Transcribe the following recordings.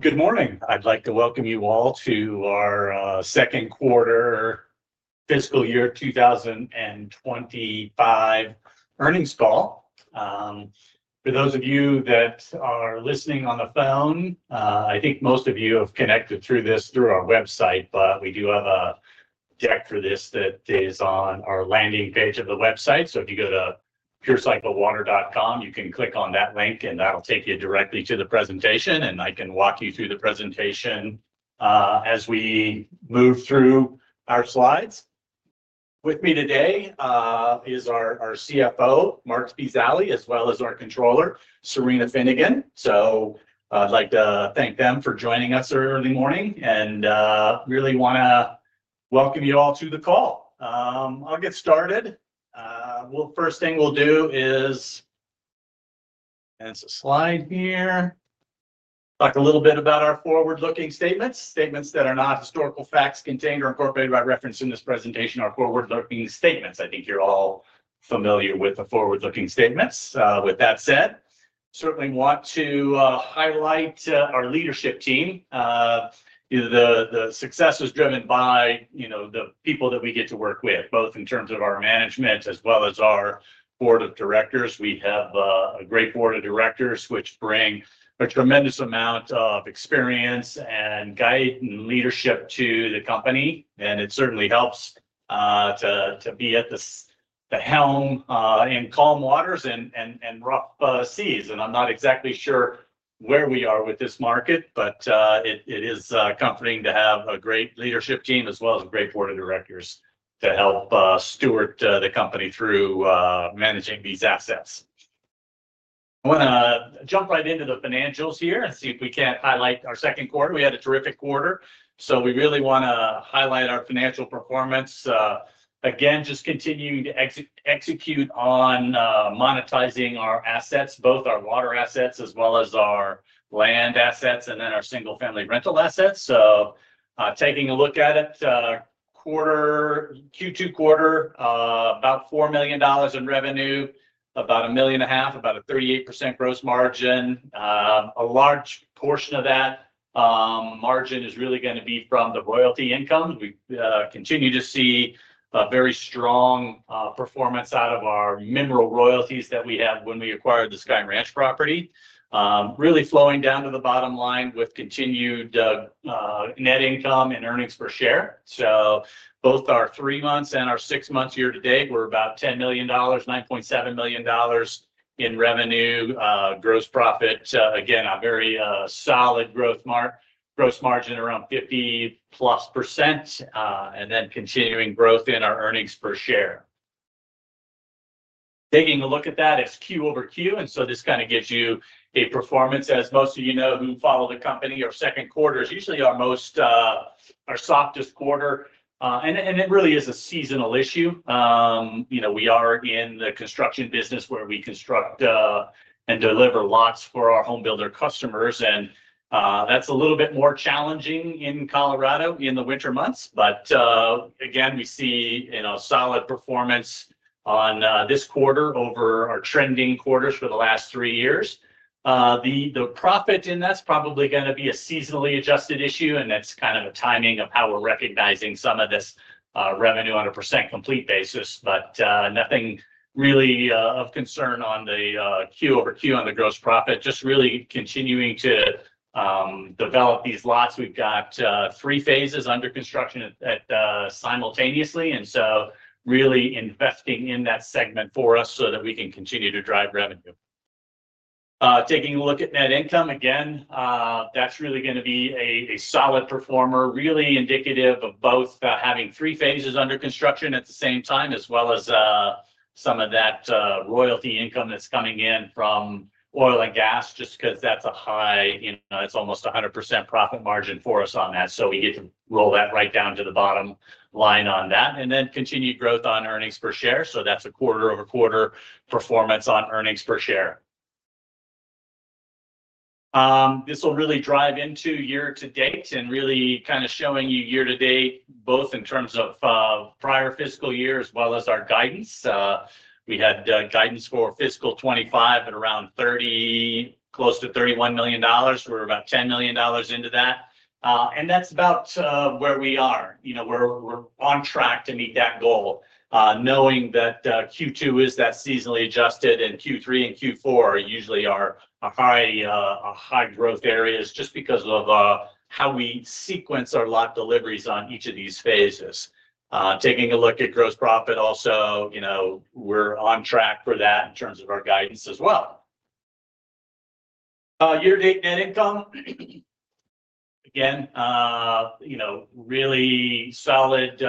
Good morning. I'd like to welcome you all to our second quarter fiscal year 2025 earnings call. For those of you that are listening on the phone, I think most of you have connected through this through our website, but we do have a deck for this that is on our landing page of the website. If you go to purecyclewater.com, you can click on that link, and that'll take you directly to the presentation, and I can walk you through the presentation as we move through our slides. With me today is our CFO, Marc Spezialy, as well as our Controller, Cyrena Finnegan. I'd like to thank them for joining us early morning and really want to welcome you all to the call. I'll get started. First thing we'll do is, and it's a slide here, talk a little bit about our forward-looking statements, statements that are not historical facts contained or incorporated by reference in this presentation, our forward-looking statements. I think you're all familiar with the forward-looking statements. With that said, I certainly want to highlight our leadership team. The success was driven by the people that we get to work with, both in terms of our management as well as our board of directors. We have a great board of directors which bring a tremendous amount of experience and guidance and leadership to the company. It certainly helps to be at the helm in calm waters and rough seas. I'm not exactly sure where we are with this market, but it is comforting to have a great leadership team as well as a great board of directors to help steward the company through managing these assets. I want to jump right into the financials here and see if we can't highlight our second quarter. We had a terrific quarter. We really want to highlight our financial performance. Again, just continuing to execute on monetizing our assets, both our water assets as well as our land assets and then our single-family rental assets. Taking a look at it, Q2 quarter, about $4 million in revenue, about $1.5 million, about a 38% gross margin. A large portion of that margin is really going to be from the royalty income. We continue to see a very strong performance out of our mineral royalties that we had when we acquired the Sky Ranch property. Really flowing down to the bottom line with continued net income and earnings per share. Both our three months and our six months year to date, we're about $10 million, $9.7 million in revenue, gross profit. Again, a very solid gross margin around 50%+, and continuing growth in our earnings per share. Taking a look at that, it's QoQ. This kind of gives you a performance. As most of you know who follow the company, our second quarter is usually our softest quarter. It really is a seasonal issue. We are in the construction business where we construct and deliver lots for our homebuilder customers. That's a little bit more challenging in Colorado in the winter months. Again, we see solid performance on this quarter over our trending quarters for the last three years. The profit in that's probably going to be a seasonally adjusted issue, and that's kind of a timing of how we're recognizing some of this revenue on a percent complete basis. Nothing really of concern on the QoQ on the gross profit, just really continuing to develop these lots. We've got three phases under construction simultaneously. Really investing in that segment for us so that we can continue to drive revenue. Taking a look at net income, again, that's really going to be a solid performer, really indicative of both having three phases under construction at the same time, as well as some of that royalty income that's coming in from oil and gas, just because that's a high, it's almost a 100% profit margin for us on that. We get to roll that right down to the bottom line on that. Continued growth on earnings per share. That's a quarter-over-quarter performance on earnings per share. This will really drive into year to date and really kind of showing you year to date, both in terms of prior fiscal year as well as our guidance. We had guidance for fiscal 2025 at around close to $31 million. We're about $10 million into that. That's about where we are. We're on track to meet that goal, knowing that Q2 is that seasonally adjusted, and Q3 and Q4 are usually our high growth areas just because of how we sequence our lot deliveries on each of these phases. Taking a look at gross profit also, we're on track for that in terms of our guidance as well. Year to date net income, again, really solid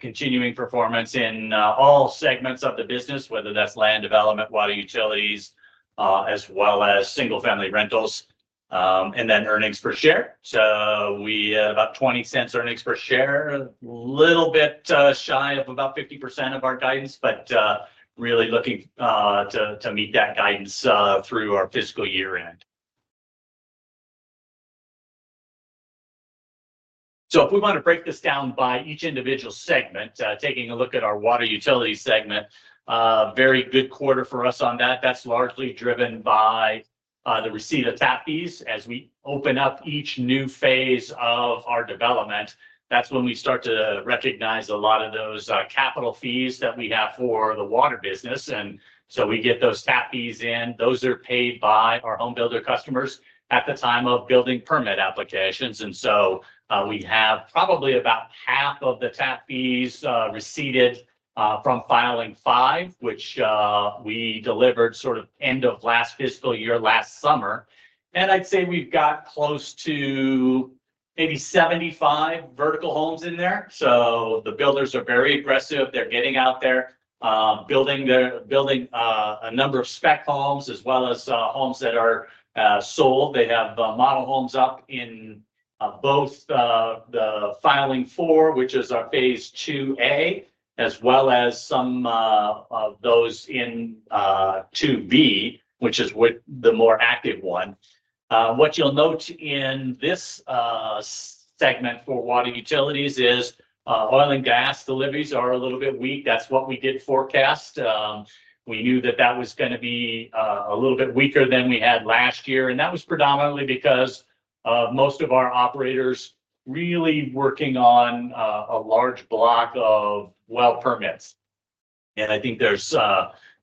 continuing performance in all segments of the business, whether that's land development, water utilities, as well as single-family rentals, and then earnings per share. We had about $0.20 earnings per share, a little bit shy of about 50% of our guidance, but really looking to meet that guidance through our fiscal year end. If we want to break this down by each individual segment, taking a look at our water utility segment, very good quarter for us on that. That's largely driven by the receipt of tap fees. As we open up each new phase of our development, that's when we start to recognize a lot of those capital fees that we have for the water business. We get those tap fees in. Those are paid by our homebuilder customers at the time of building permit applications. We have probably about half of the tap fees receipted from Filing 5, which we delivered sort of end of last fiscal year last summer. I'd say we've got close to maybe 75 vertical homes in there. The builders are very aggressive. They're getting out there, building a number of spec homes as well as homes that are sold. They have model homes up in both the Filing 4, which is our phase 2A, as well as some of those in 2B, which is the more active one. What you'll note in this segment for water utilities is oil and gas deliveries are a little bit weak. That's what we did forecast. We knew that that was going to be a little bit weaker than we had last year. That was predominantly because of most of our operators really working on a large block of well permits. I think there's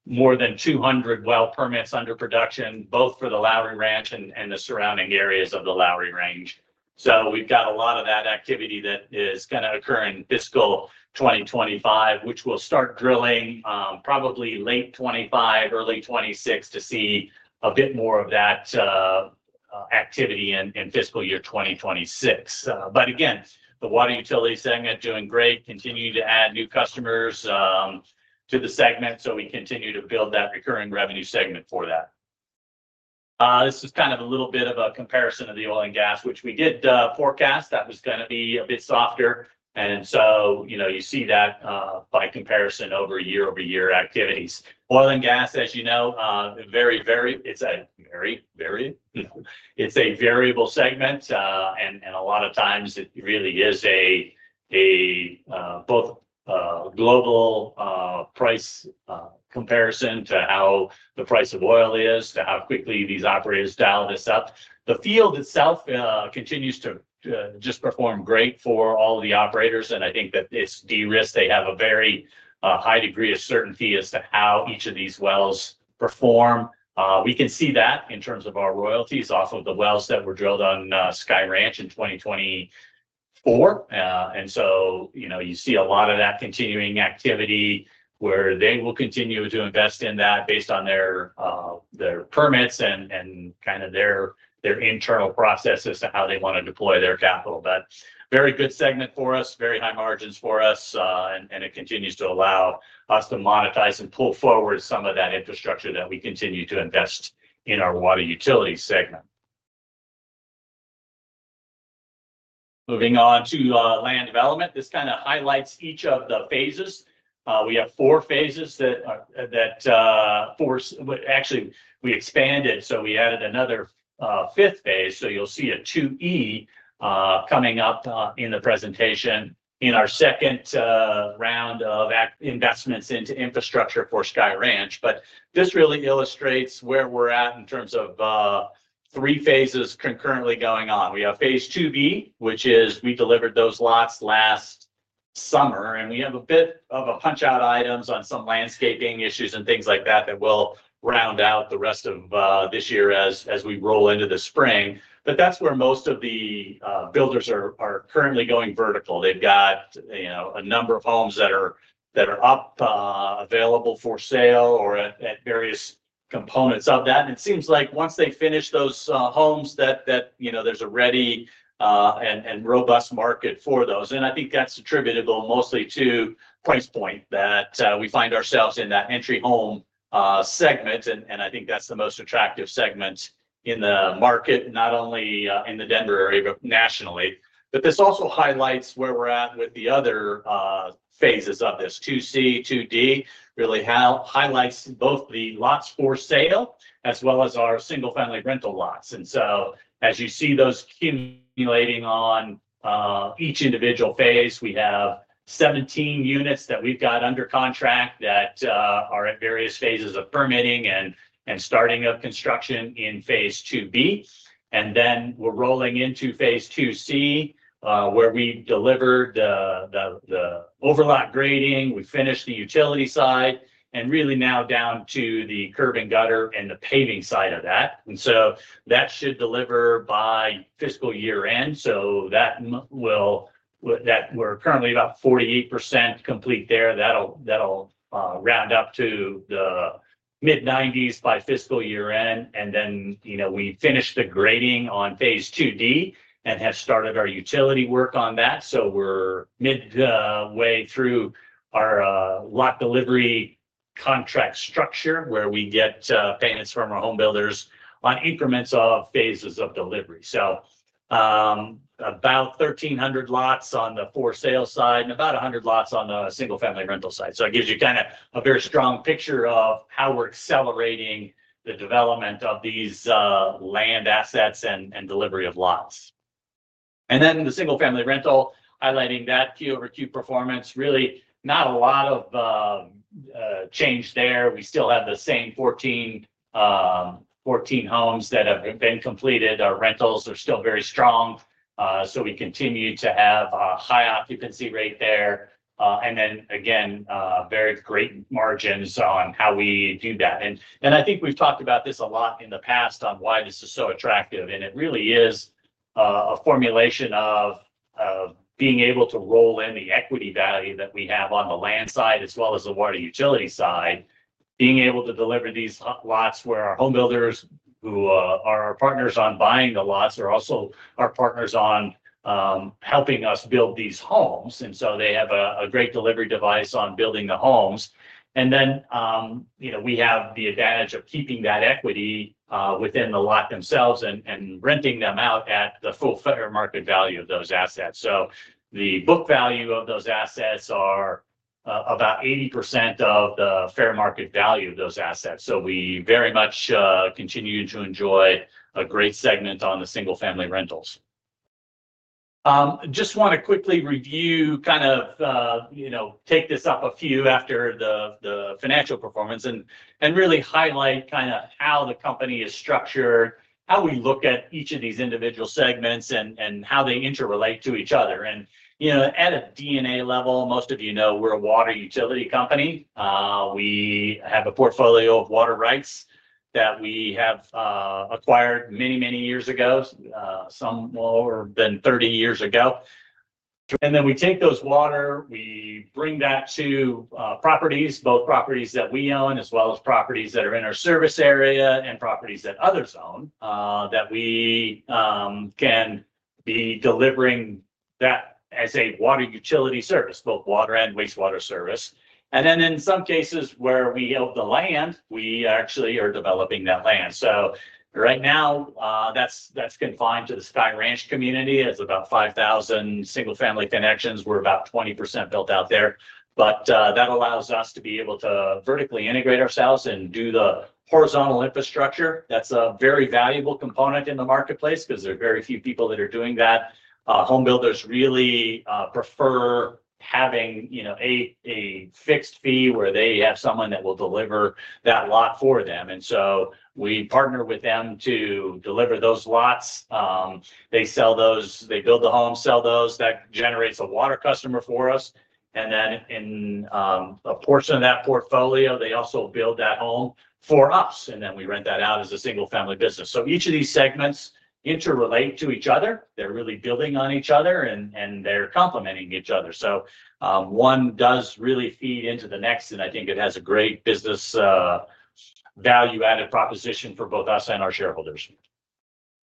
more than 200 well permits under production, both for the Lowry Ranch and the surrounding areas of the Lowry Range. We have a lot of that activity that is going to occur in fiscal 2025, which will start drilling probably late 2025, early 2026 to see a bit more of that activity in fiscal year 2026. The water utility segment is doing great, continuing to add new customers to the segment. We continue to build that recurring revenue segment for that. This is kind of a little bit of a comparison of the oil and gas, which we did forecast that was going to be a bit softer. You see that by comparison over year-over-year activities. Oil and gas, as you know, is a very, very, it is a variable segment. A lot of times it really is both a global price comparison to how the price of oil is, to how quickly these operators dial this up. The field itself continues to just perform great for all of the operators. I think that it is de-risked. They have a very high degree of certainty as to how each of these wells perform. We can see that in terms of our royalties off of the wells that were drilled on Sky Ranch in 2024. You see a lot of that continuing activity where they will continue to invest in that based on their permits and kind of their internal processes to how they want to deploy their capital. Very good segment for us, very high margins for us. It continues to allow us to monetize and pull forward some of that infrastructure that we continue to invest in our water utility segment. Moving on to land development, this kind of highlights each of the phases. We have four phases that actually we expanded. We added another fifth phase. You will see a 2E coming up in the presentation in our second round of investments into infrastructure for Sky Ranch. This really illustrates where we're at in terms of three phases concurrently going on. We have phase II/B, which is we delivered those lots last summer. We have a bit of punch-out items on some landscaping issues and things like that that will round out the rest of this year as we roll into the spring. That's where most of the builders are currently going vertical. They've got a number of homes that are up available for sale or at various components of that. It seems like once they finish those homes, there's a ready and robust market for those. I think that's attributable mostly to price point that we find ourselves in that entry home segment. I think that's the most attractive segment in the market, not only in the Denver area, but nationally. This also highlights where we're at with the other phases of this II/C, II/D, really highlights both the lots for sale as well as our single-family rental lots. As you see those accumulating on each individual phase, we have 17 units that we've got under contract that are at various phases of permitting and starting of construction in phase II/B. We're rolling into phase II/C where we delivered the overlap grading. We finished the utility side and really now down to the curb and gutter and the paving side of that. That should deliver by fiscal year end. We're currently about 48% complete there. That'll round up to the mid-90s by fiscal year end. We finished the grading on phase II/D and have started our utility work on that. We're midway through our lot delivery contract structure where we get payments from our homebuilders on increments of phases of delivery. About 1,300 lots on the for-sale side and about 100 lots on the single-family rental side. It gives you kind of a very strong picture of how we're accelerating the development of these land assets and delivery of lots. The single-family rental highlighting that QoQ performance, really not a lot of change there. We still have the same 14 homes that have been completed. Our rentals are still very strong. We continue to have a high occupancy rate there. Again, very great margins on how we do that. I think we've talked about this a lot in the past on why this is so attractive. It really is a formulation of being able to roll in the equity value that we have on the land side as well as the water utility side, being able to deliver these lots where our homebuilders who are our partners on buying the lots are also our partners on helping us build these homes. They have a great delivery device on building the homes. We have the advantage of keeping that equity within the lot themselves and renting them out at the full fair market value of those assets. The book value of those assets are about 80% of the fair market value of those assets. We very much continue to enjoy a great segment on the single-family rentals. Just want to quickly review, kind of take this up a few after the financial performance and really highlight kind of how the company is structured, how we look at each of these individual segments, and how they interrelate to each other. At a DNA level, most of you know we're a water utility company. We have a portfolio of water rights that we have acquired many, many years ago, some more than 30 years ago. We take those water, we bring that to properties, both properties that we own as well as properties that are in our service area and properties that others own that we can be delivering that as a water utility service, both water and wastewater service. In some cases where we have the land, we actually are developing that land. Right now, that's confined to the Sky Ranch community. It's about 5,000 single-family connections. We're about 20% built out there. That allows us to be able to vertically integrate ourselves and do the horizontal infrastructure. That's a very valuable component in the marketplace because there are very few people that are doing that. Homebuilders really prefer having a fixed fee where they have someone that will deliver that lot for them. We partner with them to deliver those lots. They build the home, sell those. That generates a water customer for us. In a portion of that portfolio, they also build that home for us. We rent that out as a single-family business. Each of these segments interrelate to each other. They're really building on each other and they're complementing each other. One does really feed into the next. I think it has a great business value-added proposition for both us and our shareholders.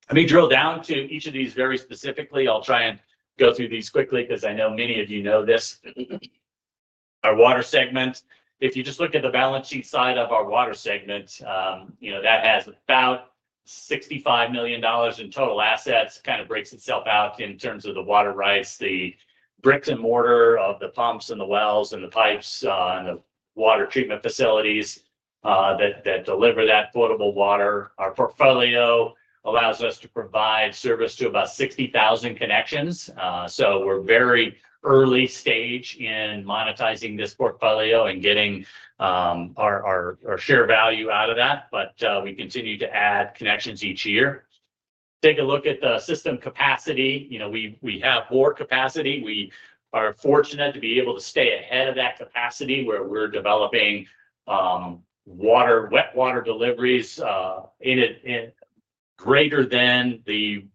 Let me drill down to each of these very specifically. I'll try and go through these quickly because I know many of you know this. Our water segment, if you just look at the balance sheet side of our water segment, that has about $65 million in total assets, kind of breaks itself out in terms of the water rights, the bricks and mortar of the pumps and the wells and the pipes and the water treatment facilities that deliver that potable water. Our portfolio allows us to provide service to about 60,000 connections. We are very early stage in monetizing this portfolio and getting our share value out of that. We continue to add connections each year. Take a look at the system capacity. We have more capacity. We are fortunate to be able to stay ahead of that capacity where we're developing wet water deliveries greater than the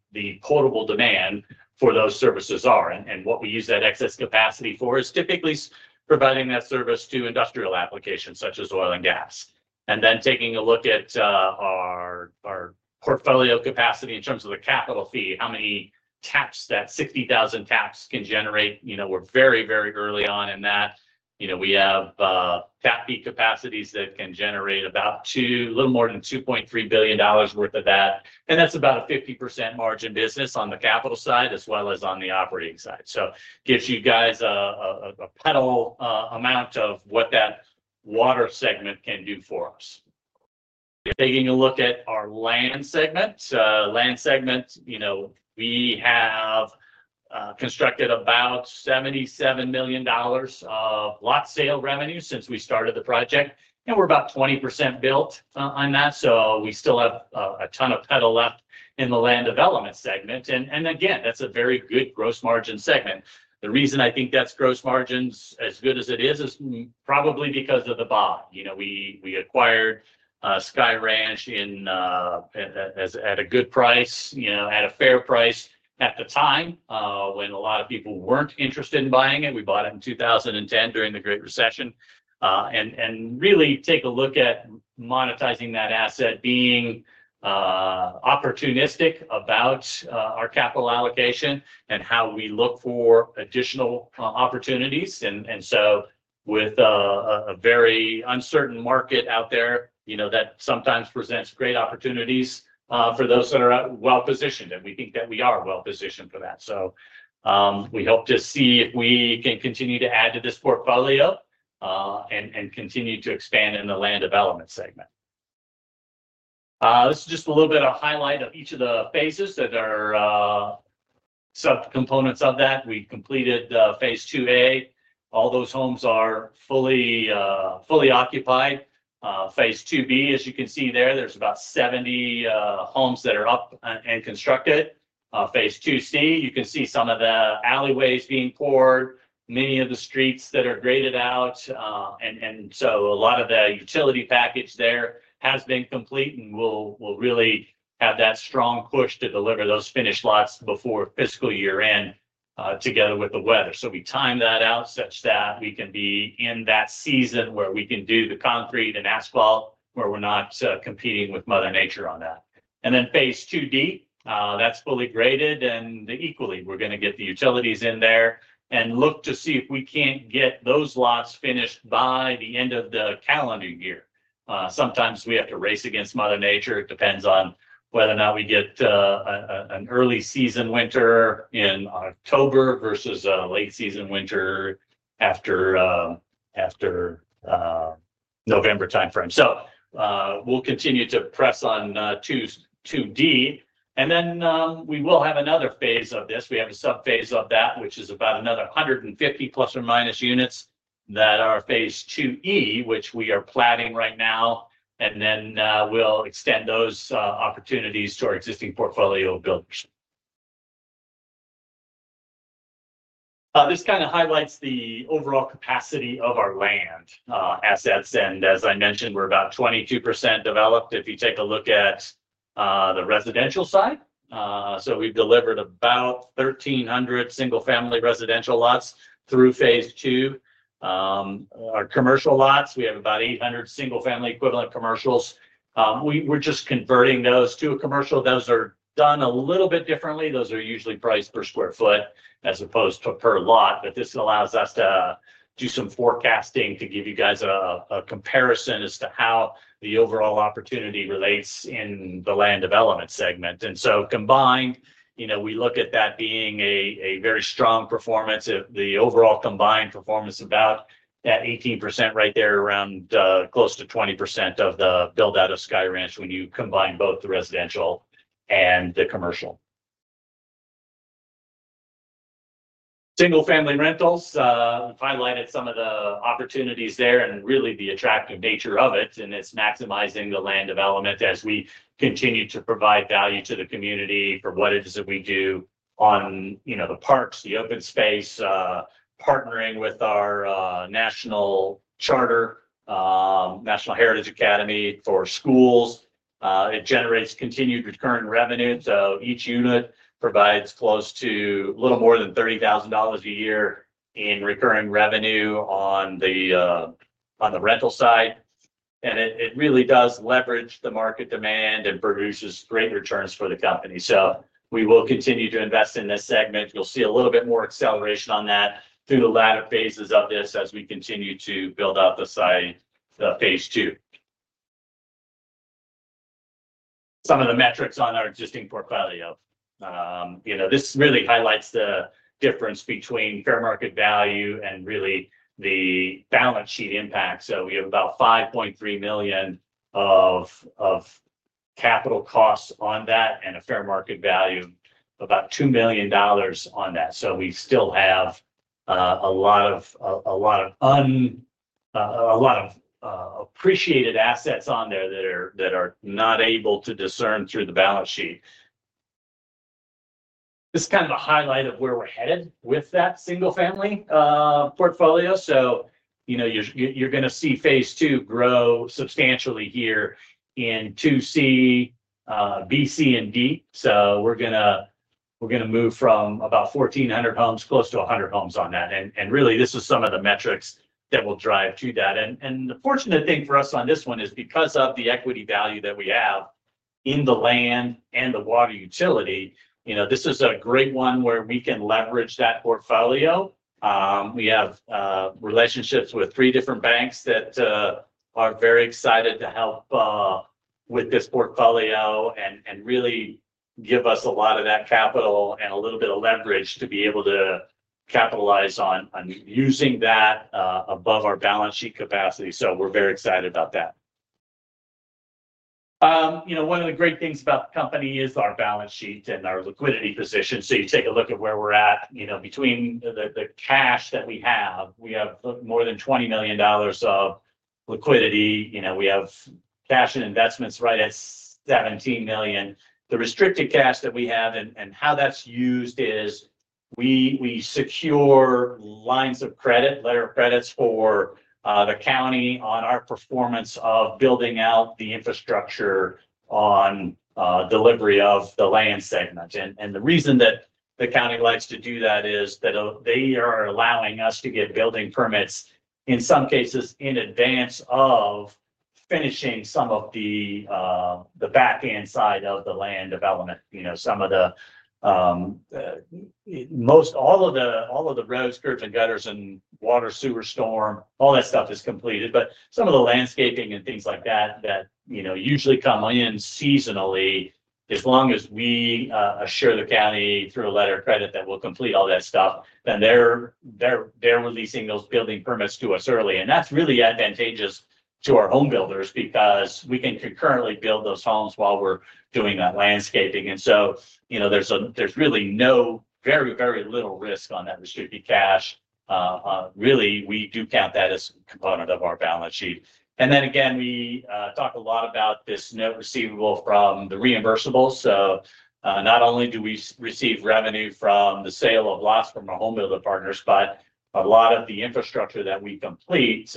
potable demand for those services are. What we use that excess capacity for is typically providing that service to industrial applications such as oil and gas. Taking a look at our portfolio capacity in terms of the capital fee, how many taps that 60,000 taps can generate. We're very, very early on in that. We have TAP fee capacities that can generate a little more than $2.3 billion worth of that. That's about a 50% margin business on the capital side as well as on the operating side. It gives you guys a pedal amount of what that water segment can do for us. Taking a look at our land segment, we have constructed about $77 million of lot sale revenue since we started the project. We're about 20% built on that. We still have a ton of pedal left in the land development segment. That's a very good gross margin segment. The reason I think that gross margin is as good as it is is probably because of the buy. We acquired Sky Ranch at a good price, at a fair price at the time when a lot of people weren't interested in buying it. We bought it in 2010 during the Great Recession. Really take a look at monetizing that asset, being opportunistic about our capital allocation and how we look for additional opportunities. With a very uncertain market out there, that sometimes presents great opportunities for those that are well-positioned. We think that we are well-positioned for that. We hope to see if we can continue to add to this portfolio and continue to expand in the land development segment. This is just a little bit of highlight of each of the phases that are subcomponents of that. We completed phase II/A. All those homes are fully occupied. Phase II/B, as you can see there, there's about 70 homes that are up and constructed. Phase II/C, you can see some of the alleyways being poured, many of the streets that are graded out. A lot of the utility package there has been complete and will really have that strong push to deliver those finished lots before fiscal year end together with the weather. We time that out such that we can be in that season where we can do the concrete and asphalt where we're not competing with Mother Nature on that. Phase II/D is fully graded. Equally, we're going to get the utilities in there and look to see if we can't get those lots finished by the end of the calendar year. Sometimes we have to race against Mother Nature. It depends on whether or not we get an early season winter in October versus a late season winter after November timeframe. We will continue to press on II/D. We will have another phase of this. We have a sub-phase of that, which is about another 150± units that are phase II/E, which we are planning right now. We will extend those opportunities to our existing portfolio builders. This kind of highlights the overall capacity of our land assets. As I mentioned, we're about 22% developed if you take a look at the residential side. We've delivered about 1,300 single-family residential lots through phase II. Our commercial lots, we have about 800 single-family equivalent commercials. We're just converting those to a commercial. Those are done a little bit differently. Those are usually priced per square foot as opposed to per lot. This allows us to do some forecasting to give you guys a comparison as to how the overall opportunity relates in the land development segment. Combined, we look at that being a very strong performance. The overall combined performance is about that 18% right there around close to 20% of the build-out of Sky Ranch when you combine both the residential and the commercial. Single-family rentals, we've highlighted some of the opportunities there and really the attractive nature of it. It's maximizing the land development as we continue to provide value to the community for what it is that we do on the parks, the open space, partnering with our National Heritage Academy for schools. It generates continued recurring revenue. Each unit provides close to a little more than $30,000 a year in recurring revenue on the rental side. It really does leverage the market demand and produces great returns for the company. We will continue to invest in this segment. You'll see a little bit more acceleration on that through the latter phases of this as we continue to build out the phase II. Some of the metrics on our existing portfolio. This really highlights the difference between fair market value and really the balance sheet impact. We have about $5.3 million of capital costs on that and a fair market value of about $2 million on that. We still have a lot of appreciated assets on there that are not able to discern through the balance sheet. This is kind of a highlight of where we're headed with that single-family portfolio. You're going to see phase II grow substantially here in 2C, B, C, and D. We're going to move from about 1,400 homes close to 100 homes on that. Really, this is some of the metrics that will drive to that. The fortunate thing for us on this one is because of the equity value that we have in the land and the water utility, this is a great one where we can leverage that portfolio. We have relationships with three different banks that are very excited to help with this portfolio and really give us a lot of that capital and a little bit of leverage to be able to capitalize on using that above our balance sheet capacity. We are very excited about that. One of the great things about the company is our balance sheet and our liquidity position. You take a look at where we are at between the cash that we have. We have more than $20 million of liquidity. We have cash and investments right at $17 million. The restricted cash that we have and how that is used is we secure lines of credit, letter of credits for the county on our performance of building out the infrastructure on delivery of the land segment. The reason that the county likes to do that is that they are allowing us to get building permits in some cases in advance of finishing some of the back-end side of the land development. Some of the most, all of the roads, curbs, and gutters and water, sewer, storm, all that stuff is completed. Some of the landscaping and things like that that usually come in seasonally, as long as we assure the county through a letter of credit that we'll complete all that stuff, they are releasing those building permits to us early. That is really advantageous to our homebuilders because we can concurrently build those homes while we are doing that landscaping. There is really very, very little risk on that restricted cash. Really, we do count that as a component of our balance sheet. We talk a lot about this note receivable from the reimbursables. Not only do we receive revenue from the sale of lots from our homebuilder partners, but a lot of the infrastructure that we complete,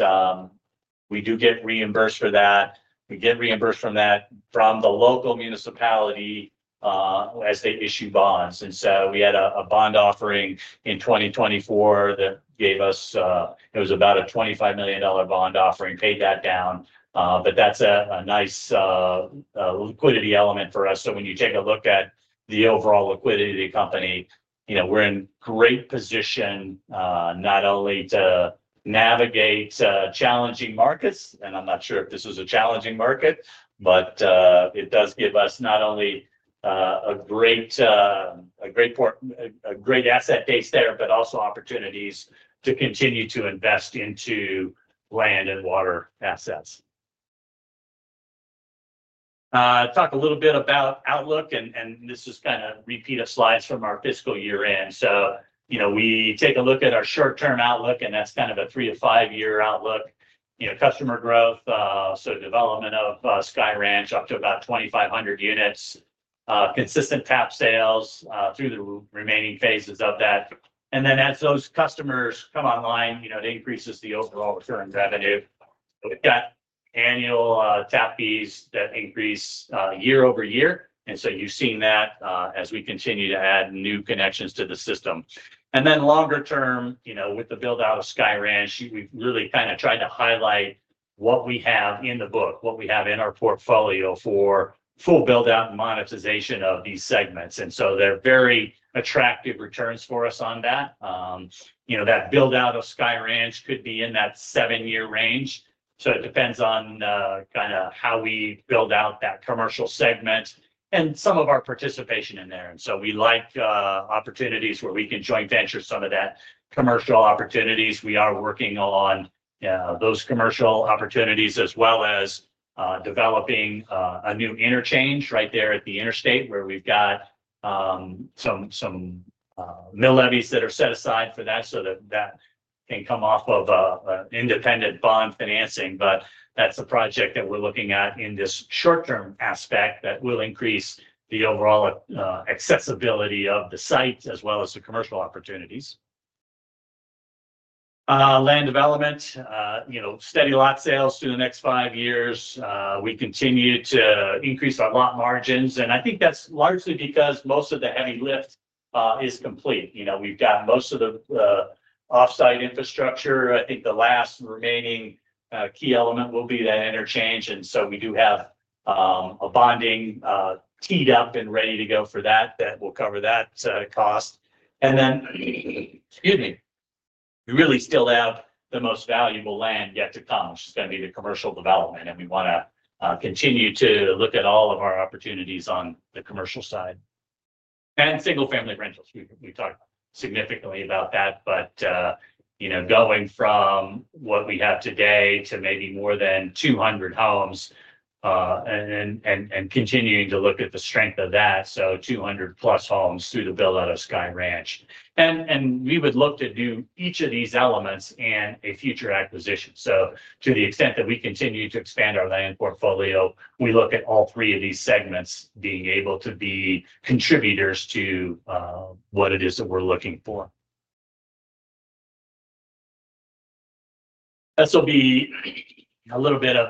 we do get reimbursed for that. We get reimbursed from that from the local municipality as they issue bonds. We had a bond offering in 2024 that gave us, it was about a $25 million bond offering, paid that down. That is a nice liquidity element for us. When you take a look at the overall liquidity of the company, we are in great position not only to navigate challenging markets. I am not sure if this was a challenging market, but it does give us not only a great asset base there, but also opportunities to continue to invest into land and water assets. Talk a little bit about outlook. This is kind of repeat of slides from our fiscal year end. We take a look at our short-term outlook, and that's kind of a three to five-year outlook. Customer growth, development of Sky Ranch up to about 2,500 units, consistent tap sales through the remaining phases of that. As those customers come online, it increases the overall recurring revenue. We've got annual tap fees that increase year-over-year. You've seen that as we continue to add new connections to the system. Longer term, with the build-out of Sky Ranch, we've really kind of tried to highlight what we have in the book, what we have in our portfolio for full build-out and monetization of these segments. They are very attractive returns for us on that. That build-out of Sky Ranch could be in that seven-year range. It depends on kind of how we build out that commercial segment and some of our participation in there. We like opportunities where we can joint venture some of that commercial opportunities. We are working on those commercial opportunities as well as developing a new interchange right there at the interstate where we've got some mill levies that are set aside for that so that can come off of an independent bond financing. That is a project that we're looking at in this short-term aspect that will increase the overall accessibility of the site as well as the commercial opportunities. Land development, steady lot sales through the next five years. We continue to increase our lot margins. I think that's largely because most of the heavy lift is complete. We've got most of the off-site infrastructure. I think the last remaining key element will be that interchange. We do have a bonding teed up and ready to go for that that will cover that cost. Excuse me, we really still have the most valuable land yet to come, which is going to be the commercial development. We want to continue to look at all of our opportunities on the commercial side. Single-family rentals, we talked significantly about that. Going from what we have today to maybe more than 200 homes and continuing to look at the strength of that, 200+ homes through the build-out of Sky Ranch. We would look to do each of these elements and a future acquisition. To the extent that we continue to expand our land portfolio, we look at all three of these segments being able to be contributors to what it is that we're looking for. This will be a little bit of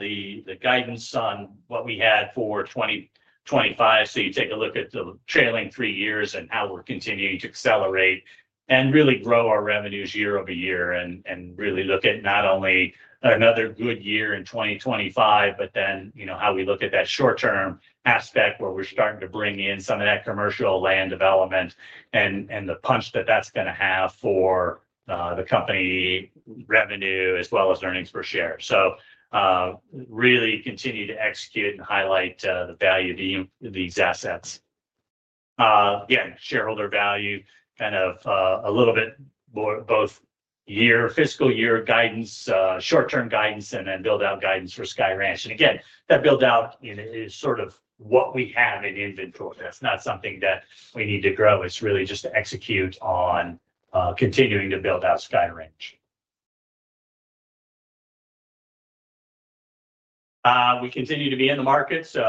the guidance on what we had for 2025. You take a look at the trailing three years and how we're continuing to accelerate and really grow our revenues year-over-year and really look at not only another good year in 2025, but then how we look at that short-term aspect where we're starting to bring in some of that commercial land development and the punch that that's going to have for the company revenue as well as earnings per share. Really continue to execute and highlight the value of these assets. Again, shareholder value, kind of a little bit both fiscal year guidance, short-term guidance, and then build-out guidance for Sky Ranch. Again, that build-out is sort of what we have in inventory. That's not something that we need to grow. It's really just to execute on continuing to build out Sky Ranch. We continue to be in the market. In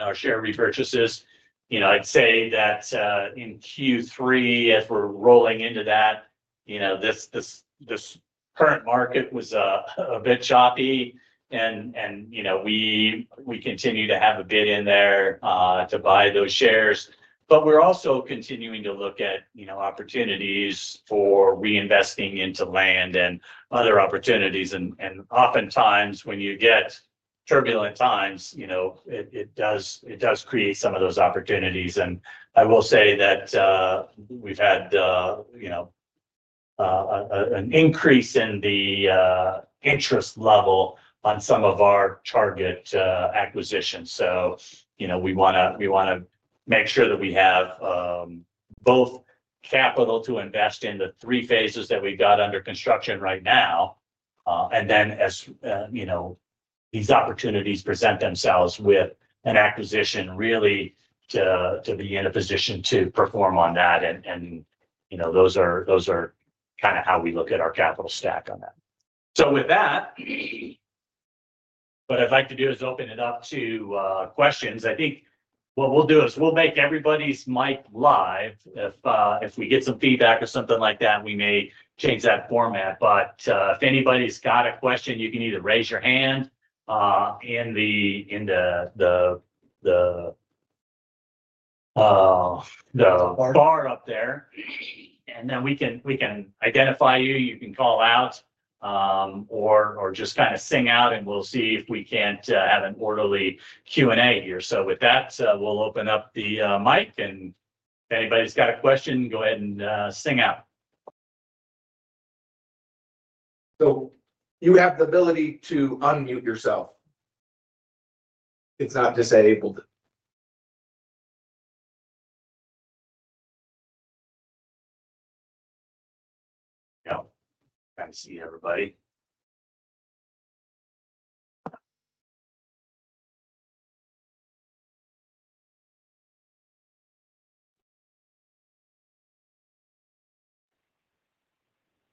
our share repurchases, I'd say that in Q3, as we're rolling into that, this current market was a bit choppy. We continue to have a bid in there to buy those shares. We're also continuing to look at opportunities for reinvesting into land and other opportunities. Oftentimes, when you get turbulent times, it does create some of those opportunities. I will say that we've had an increase in the interest level on some of our target acquisitions. We want to make sure that we have both capital to invest in the three phases that we've got under construction right now. Then as these opportunities present themselves with an acquisition, really to be in a position to perform on that. Those are kind of how we look at our capital stack on that. With that, what I'd like to do is open it up to questions. I think what we'll do is we'll make everybody's mic live. If we get some feedback or something like that, we may change that format. If anybody's got a question, you can either raise your hand in the bar up there. Then we can identify you. You can call out or just kind of sing out, and we'll see if we can't have an orderly Q&A here. With that, we'll open up the mic. If anybody's got a question, go ahead and sing out. You have the ability to unmute yourself. It's not disabled. Yeah. I see everybody.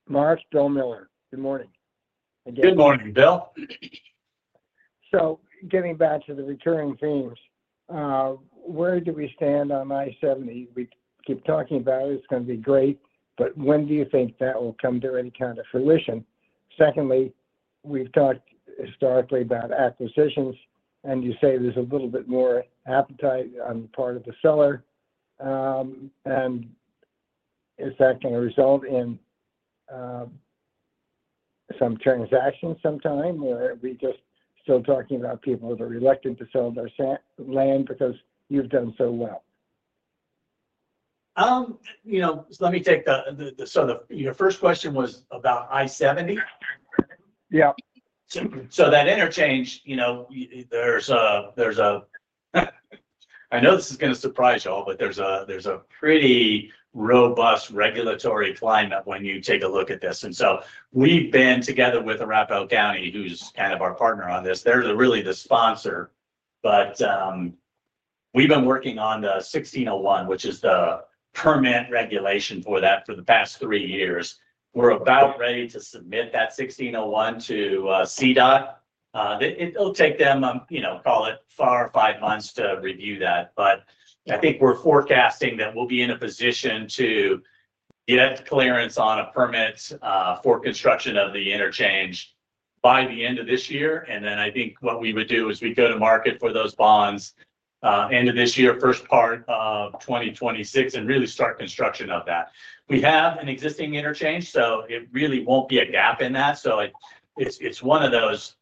Mark, Bill Miller. Good morning. Good morning, Bill. Getting back to the recurring themes, where do we stand on I-70? We keep talking about it. It's going to be great. When do you think that will come to any kind of fruition? Secondly, we've talked historically about acquisitions, and you say there's a little bit more appetite on the part of the seller. Is that going to result in some transaction sometime? Are we just still talking about people that are reluctant to sell their land because you've done so well? Let me take the sort of your first question was about I-70. Yeah. That interchange, there's a—I know this is going to surprise you all, but there's a pretty robust regulatory climate when you take a look at this. We've been together with Arapahoe County, who's kind of our partner on this. They're really the sponsor. We've been working on the 1601, which is the permit regulation for that, for the past three years. We're about ready to submit that 1601 to CDOT. It'll take them, call it four or five months to review that. I think we're forecasting that we'll be in a position to get clearance on a permit for construction of the interchange by the end of this year. I think what we would do is go to market for those bonds end of this year, first part of 2026, and really start construction of that. We have an existing interchange, so it really won't be a gap in that. It's one of those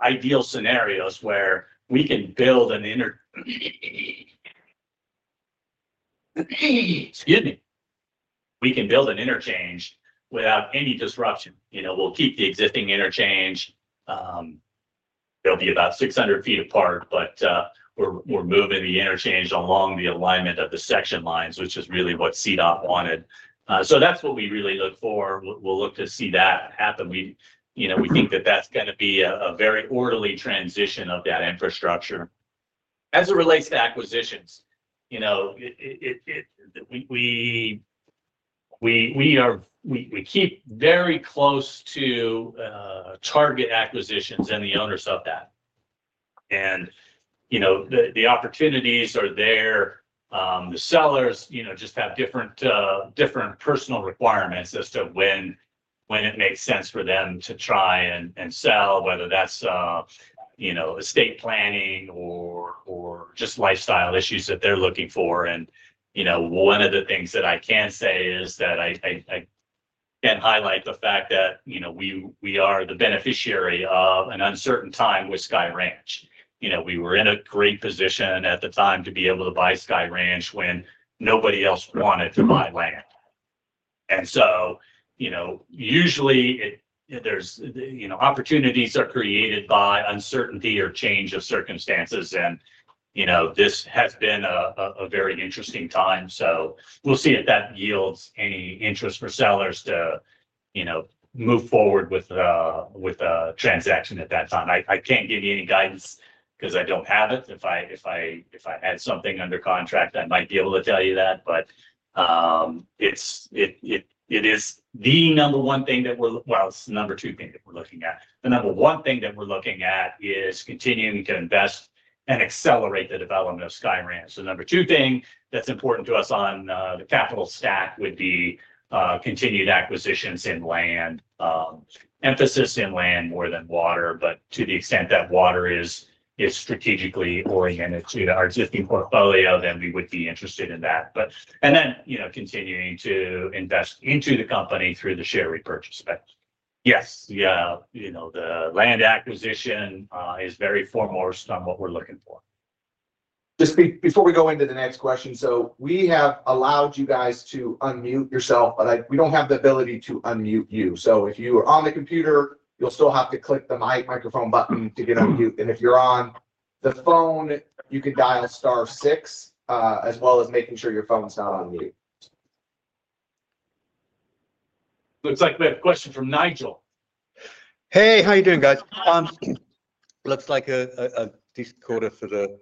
ideal scenarios where we can build an—excuse me. We can build an interchange without any disruption. We'll keep the existing interchange. It'll be about 600 ft apart, but we're moving the interchange along the alignment of the section lines, which is really what CDOT wanted. That's what we really look for. We'll look to see that happen. We think that that's going to be a very orderly transition of that infrastructure. As it relates to acquisitions, we keep very close to target acquisitions and the owners of that. The opportunities are there. The sellers just have different personal requirements as to when it makes sense for them to try and sell, whether that's estate planning or just lifestyle issues that they're looking for. One of the things that I can say is that I can highlight the fact that we are the beneficiary of an uncertain time with Sky Ranch. We were in a great position at the time to be able to buy Sky Ranch when nobody else wanted to buy land. Usually, opportunities are created by uncertainty or change of circumstances. This has been a very interesting time. We'll see if that yields any interest for sellers to move forward with a transaction at that time. I can't give you any guidance because I don't have it. If I had something under contract, I might be able to tell you that. It is the number one thing that we're—well, it's the number two thing that we're looking at. The number one thing that we're looking at is continuing to invest and accelerate the development of Sky Ranch. The number two thing that's important to us on the capital stack would be continued acquisitions in land, emphasis in land more than water. To the extent that water is strategically oriented to our existing portfolio, then we would be interested in that. Continuing to invest into the company through the share repurchase effect. Yes. Yeah. The land acquisition is very foremost on what we're looking for. Just before we go into the next question, we have allowed you guys to unmute yourself, but we don't have the ability to unmute you. If you are on the computer, you'll still have to click the microphone button to get unmute. If you're on the phone, you can dial star six as well as making sure your phone's not on mute. Looks like we have a question from Nigel. Hey, how are you doing, guys? Looks like a decent quarter for the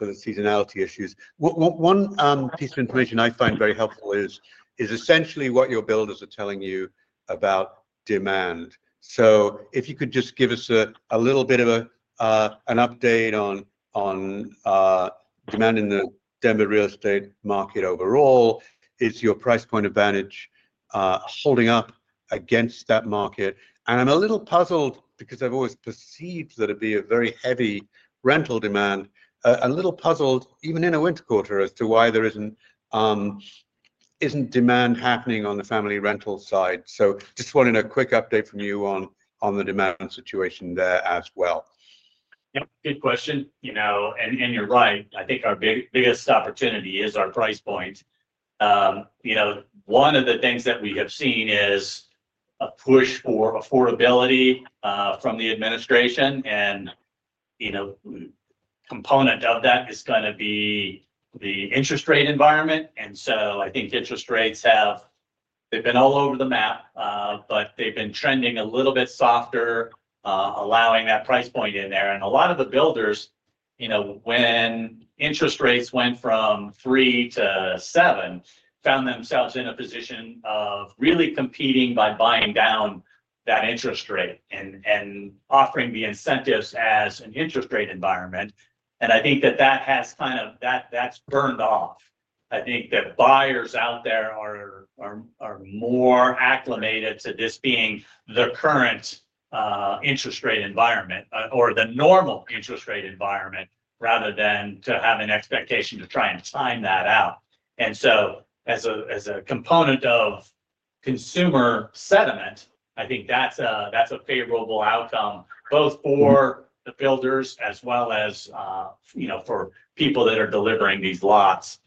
seasonality issues. One piece of information I find very helpful is essentially what your builders are telling you about demand. If you could just give us a little bit of an update on demand in the Denver real estate market overall, is your price point advantage holding up against that market? I'm a little puzzled because I've always perceived that it'd be a very heavy rental demand. I'm a little puzzled even in a winter quarter as to why there isn't demand happening on the family rental side. Just wanted a quick update from you on the demand situation there as well. Yep. Good question. You are right. I think our biggest opportunity is our price point. One of the things that we have seen is a push for affordability from the administration. A component of that is going to be the interest rate environment. I think interest rates have been all over the map, but they have been trending a little bit softer, allowing that price point in there. A lot of the builders, when interest rates went from 3% to 7%, found themselves in a position of really competing by buying down that interest rate and offering the incentives as an interest rate environment. I think that has kind of burned off. I think that buyers out there are more acclimated to this being the current interest rate environment or the normal interest rate environment rather than to have an expectation to try and time that out. As a component of consumer sentiment, I think that's a favorable outcome both for the builders as well as for people that are delivering these lots.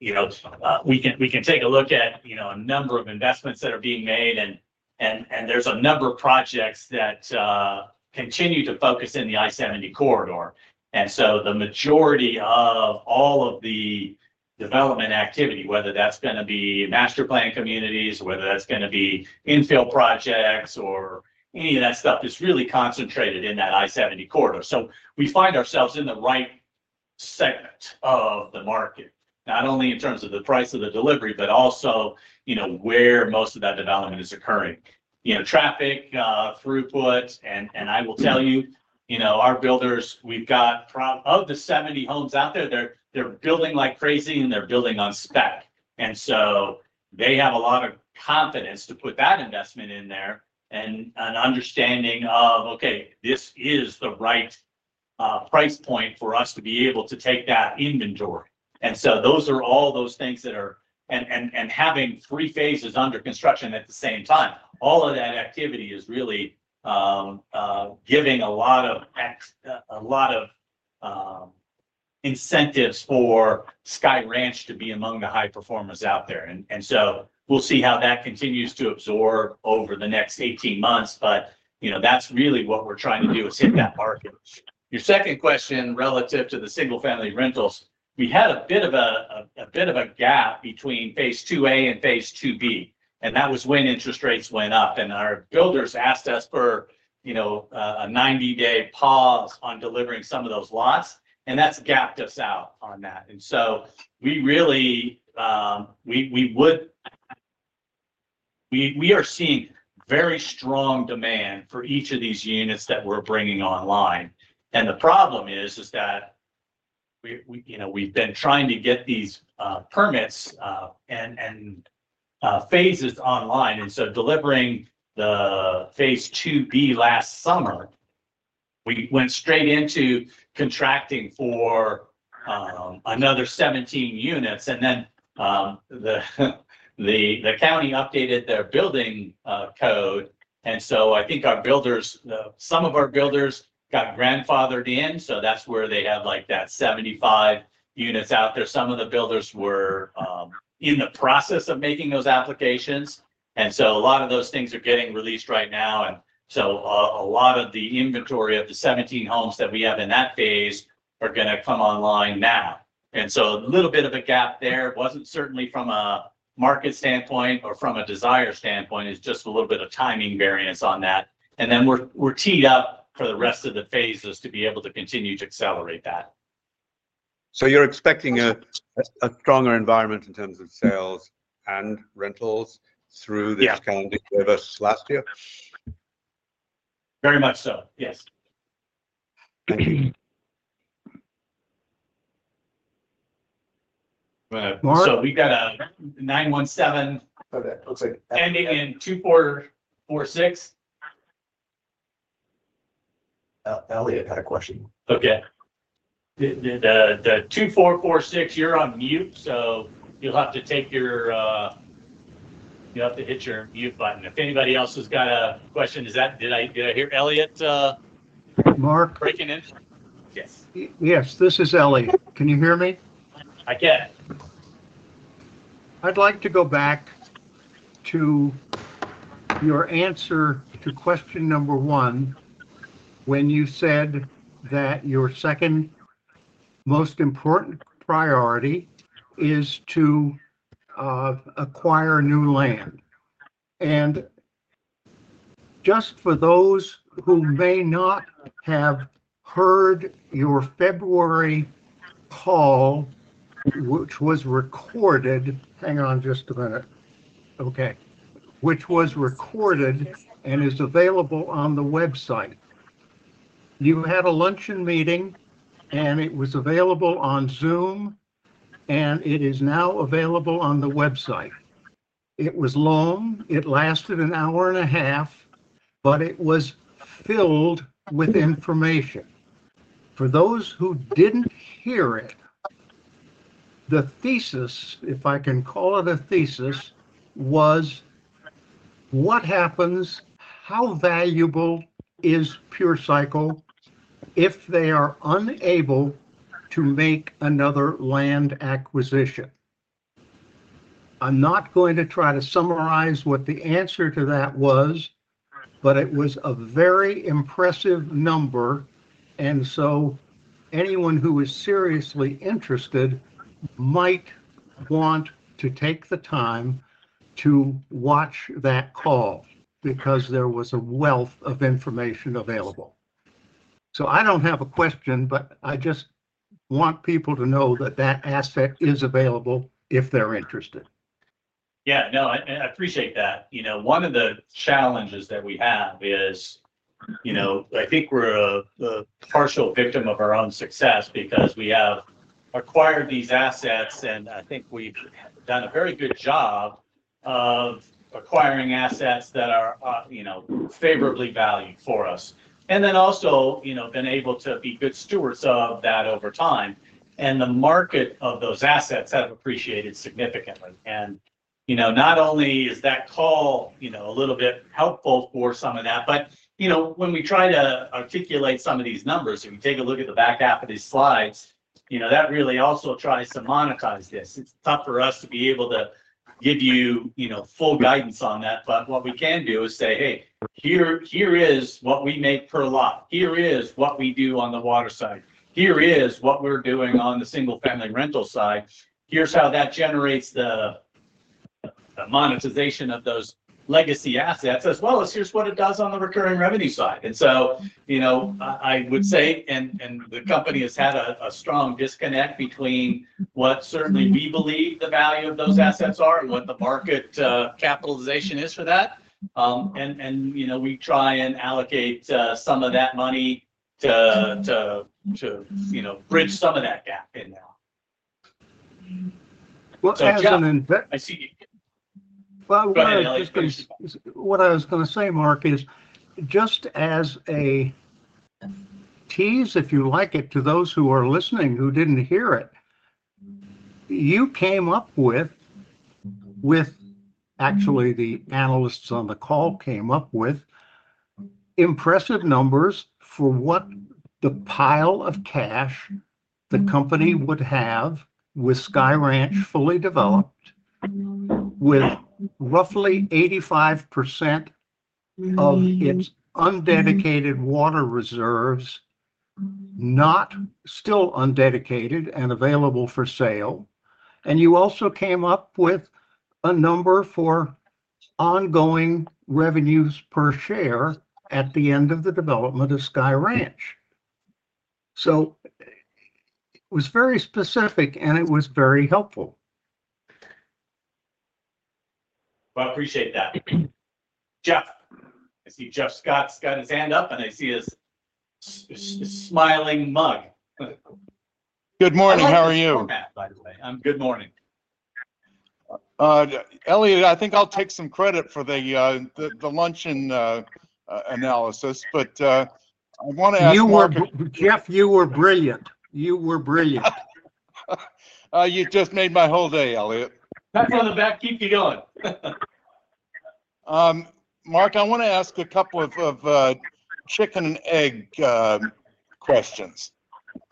We can take a look at a number of investments that are being made, and there's a number of projects that continue to focus in the I-70 corridor. The majority of all of the development activity, whether that's going to be master plan communities, whether that's going to be infill projects, or any of that stuff, is really concentrated in that I-70 corridor. We find ourselves in the right segment of the market, not only in terms of the price of the delivery, but also where most of that development is occurring. Traffic, throughput, and I will tell you, our builders, we've got of the 70 homes out there, they're building like crazy, and they're building on spec. They have a lot of confidence to put that investment in there and an understanding of, "Okay, this is the right price point for us to be able to take that inventory." Those are all those things that are, and having three phases under construction at the same time, all of that activity is really giving a lot of incentives for Sky Ranch to be among the high performers out there. We will see how that continues to absorb over the next 18 months. That is really what we are trying to do, hit that market. Your second question relative to the single-family rentals, we had a bit of a gap between phase II/A and phase II/B. That was when interest rates went up, and our builders asked us for a 90-day pause on delivering some of those lots. That gapped us out on that. We are seeing very strong demand for each of these units that we are bringing online. The problem is that we have been trying to get these permits and phases online. Delivering the phase II/B last summer, we went straight into contracting for another 17 units. The county updated their building code. I think our builders—some of our builders got grandfathered in. That is where they have that 75 units out there. Some of the builders were in the process of making those applications. A lot of those things are getting released right now. A lot of the inventory of the 17 homes that we have in that phase are going to come online now. There is a little bit of a gap there. It wasn't certainly from a market standpoint or from a desire standpoint. It's just a little bit of timing variance on that. We're teed up for the rest of the phases to be able to continue to accelerate that. You're expecting a stronger environment in terms of sales and rentals through this calendar year versus last year? Very much so. Yes. We've got a 917. Okay. Looks like that. Ending in 2446. Elliott had a question. Okay. The 2446, you're on mute. You'll have to hit your mute button. If anybody else has got a question, did I hear Elliott? Mark? Breaking in. Yes. Yes. This is Elliott. Can you hear me? I can. I'd like to go back to your answer to question number one when you said that your second most important priority is to acquire new land. Just for those who may not have heard your February call, which was recorded—hang on just a minute. Okay. Which was recorded and is available on the website. You had a luncheon meeting, and it was available on Zoom, and it is now available on the website. It was long. It lasted an hour and a half, but it was filled with information. For those who did not hear it, the thesis, if I can call it a thesis, was what happens, how valuable is Pure Cycle if they are unable to make another land acquisition? I am not going to try to summarize what the answer to that was, but it was a very impressive number. Anyone who is seriously interested might want to take the time to watch that call because there was a wealth of information available. I do not have a question, but I just want people to know that that asset is available if they're interested. Yeah. No, I appreciate that. One of the challenges that we have is I think we're a partial victim of our own success because we have acquired these assets, and I think we've done a very good job of acquiring assets that are favorably valued for us. I have also been able to be good stewards of that over time. The market of those assets has appreciated significantly. Not only is that call a little bit helpful for some of that, but when we try to articulate some of these numbers, if we take a look at the back half of these slides, that really also tries to monetize this. It's tough for us to be able to give you full guidance on that. What we can do is say, "Hey, here is what we make per lot. Here is what we do on the water side. Here is what we're doing on the single-family rental side. Here's how that generates the monetization of those legacy assets, as well as here's what it does on the recurring revenue side." I would say the company has had a strong disconnect between what certainly we believe the value of those assets are and what the market capitalization is for that. We try and allocate some of that money to bridge some of that gap in now. What I was going to say, Mark, is just as a tease, if you like it, to those who are listening who did not hear it, you came up with, with actually the analysts on the call came up with impressive numbers for what the pile of cash the company would have with Sky Ranch fully developed, with roughly 85% of its undedicated water reserves not still undedicated and available for sale. You also came up with a number for ongoing revenues per share at the end of the development of Sky Ranch. It was very specific, and it was very helpful. I appreciate that. Jeff, I see Jeff Scott's got his hand up, and I see his smiling mug. Good morning. How are you? By the way, I am good morning. Elliott, I think I will take some credit for the luncheon analysis, but I want to ask you. Jeff, you were brilliant. You were brilliant. You just made my whole day, Elliott. That's on the back. Keep you going. Mark, I want to ask a couple of chicken and egg questions.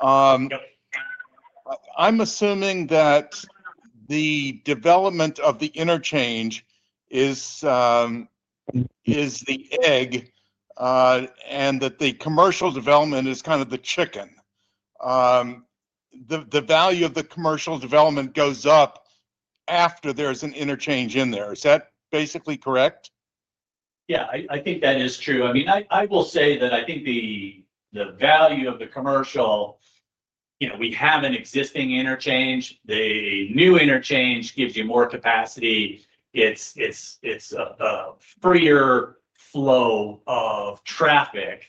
I'm assuming that the development of the interchange is the egg and that the commercial development is kind of the chicken. The value of the commercial development goes up after there's an interchange in there. Is that basically correct? Yeah. I think that is true. I mean, I will say that I think the value of the commercial, we have an existing interchange. The new interchange gives you more capacity. It's a freer flow of traffic.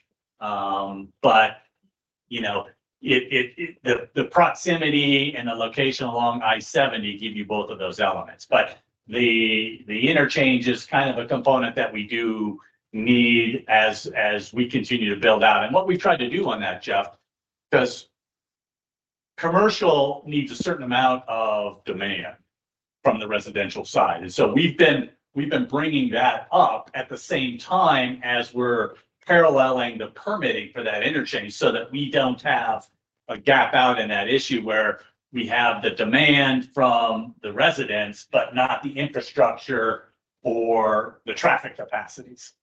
The proximity and the location along I-70 give you both of those elements. The interchange is kind of a component that we do need as we continue to build out. What we've tried to do on that, Jeff, because commercial needs a certain amount of demand from the residential side. We have been bringing that up at the same time as we're paralleling the permitting for that interchange so that we don't have a gap out in that issue where we have the demand from the residents, but not the infrastructure or the traffic capacities.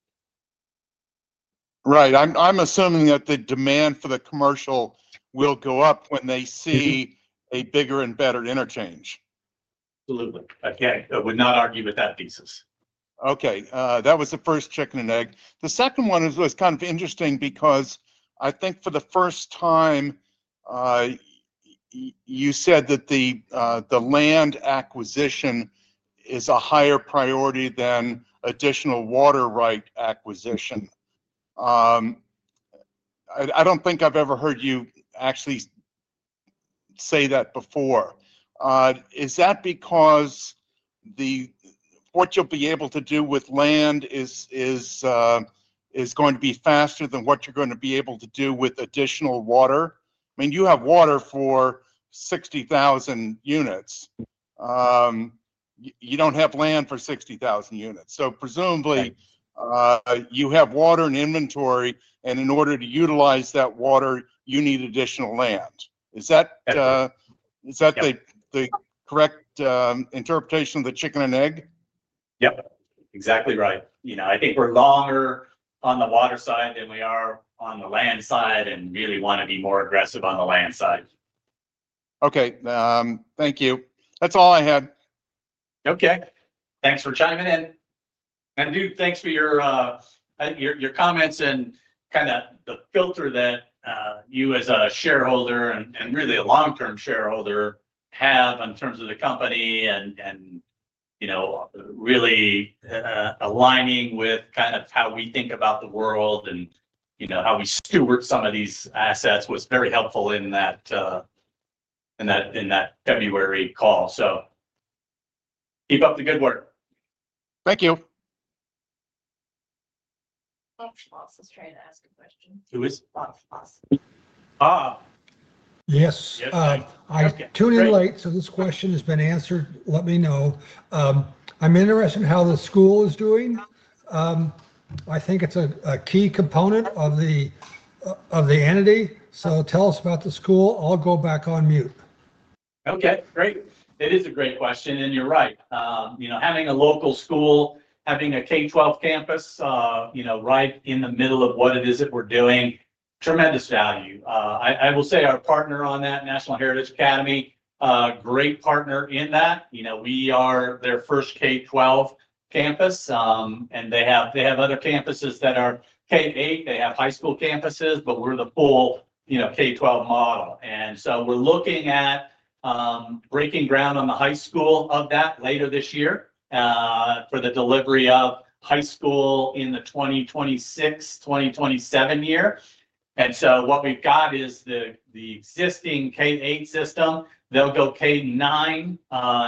Right. I'm assuming that the demand for the commercial will go up when they see a bigger and better interchange. Absolutely. I would not argue with that thesis. Okay. That was the first chicken and egg. The second one was kind of interesting because I think for the first time, you said that the land acquisition is a higher priority than additional water right acquisition. I don't think I've ever heard you actually say that before. Is that because what you'll be able to do with land is going to be faster than what you're going to be able to do with additional water? I mean, you have water for 60,000 units. You don't have land for 60,000 units. So presumably, you have water and inventory, and in order to utilize that water, you need additional land. Is that the correct interpretation of the chicken and egg? Yep. Exactly right. I think we're longer on the water side than we are on the land side and really want to be more aggressive on the land side. Okay. Thank you. That's all I had. Okay. Thanks for chiming in. Elliot, thanks for your comments and kind of the filter that you as a shareholder and really a long-term shareholder have in terms of the company and really aligning with kind of how we think about the world and how we steward some of these assets was very helpful in that February call. Keep up the good work. Thank you. Boss was trying to ask a question. Who is? Boss. Yes. I'm tuning late, so this question has been answered. Let me know. I'm interested in how the school is doing. I think it's a key component of the entity. Tell us about the school. I'll go back on mute. Okay. Great. It is a great question. You're right. Having a local school, having a K-12 campus right in the middle of what it is that we're doing, tremendous value. I will say our partner on that, National Heritage Academy, great partner in that. We are their first K-12 campus, and they have other campuses that are K-8. They have high school campuses, but we're the full K-12 model. We are looking at breaking ground on the high school of that later this year for the delivery of high school in the 2026, 2027 year. What we've got is the existing K-8 system. They'll go K-9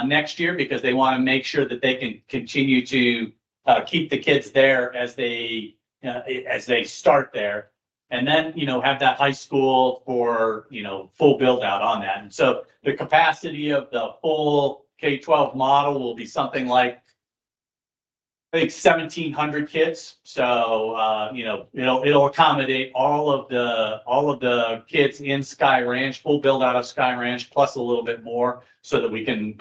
next year because they want to make sure that they can continue to keep the kids there as they start there and then have that high school for full build-out on that. The capacity of the full K-12 model will be something like, I think, 1,700 kids. It'll accommodate all of the kids in Sky Ranch, full build-out of Sky Ranch, plus a little bit more so that we can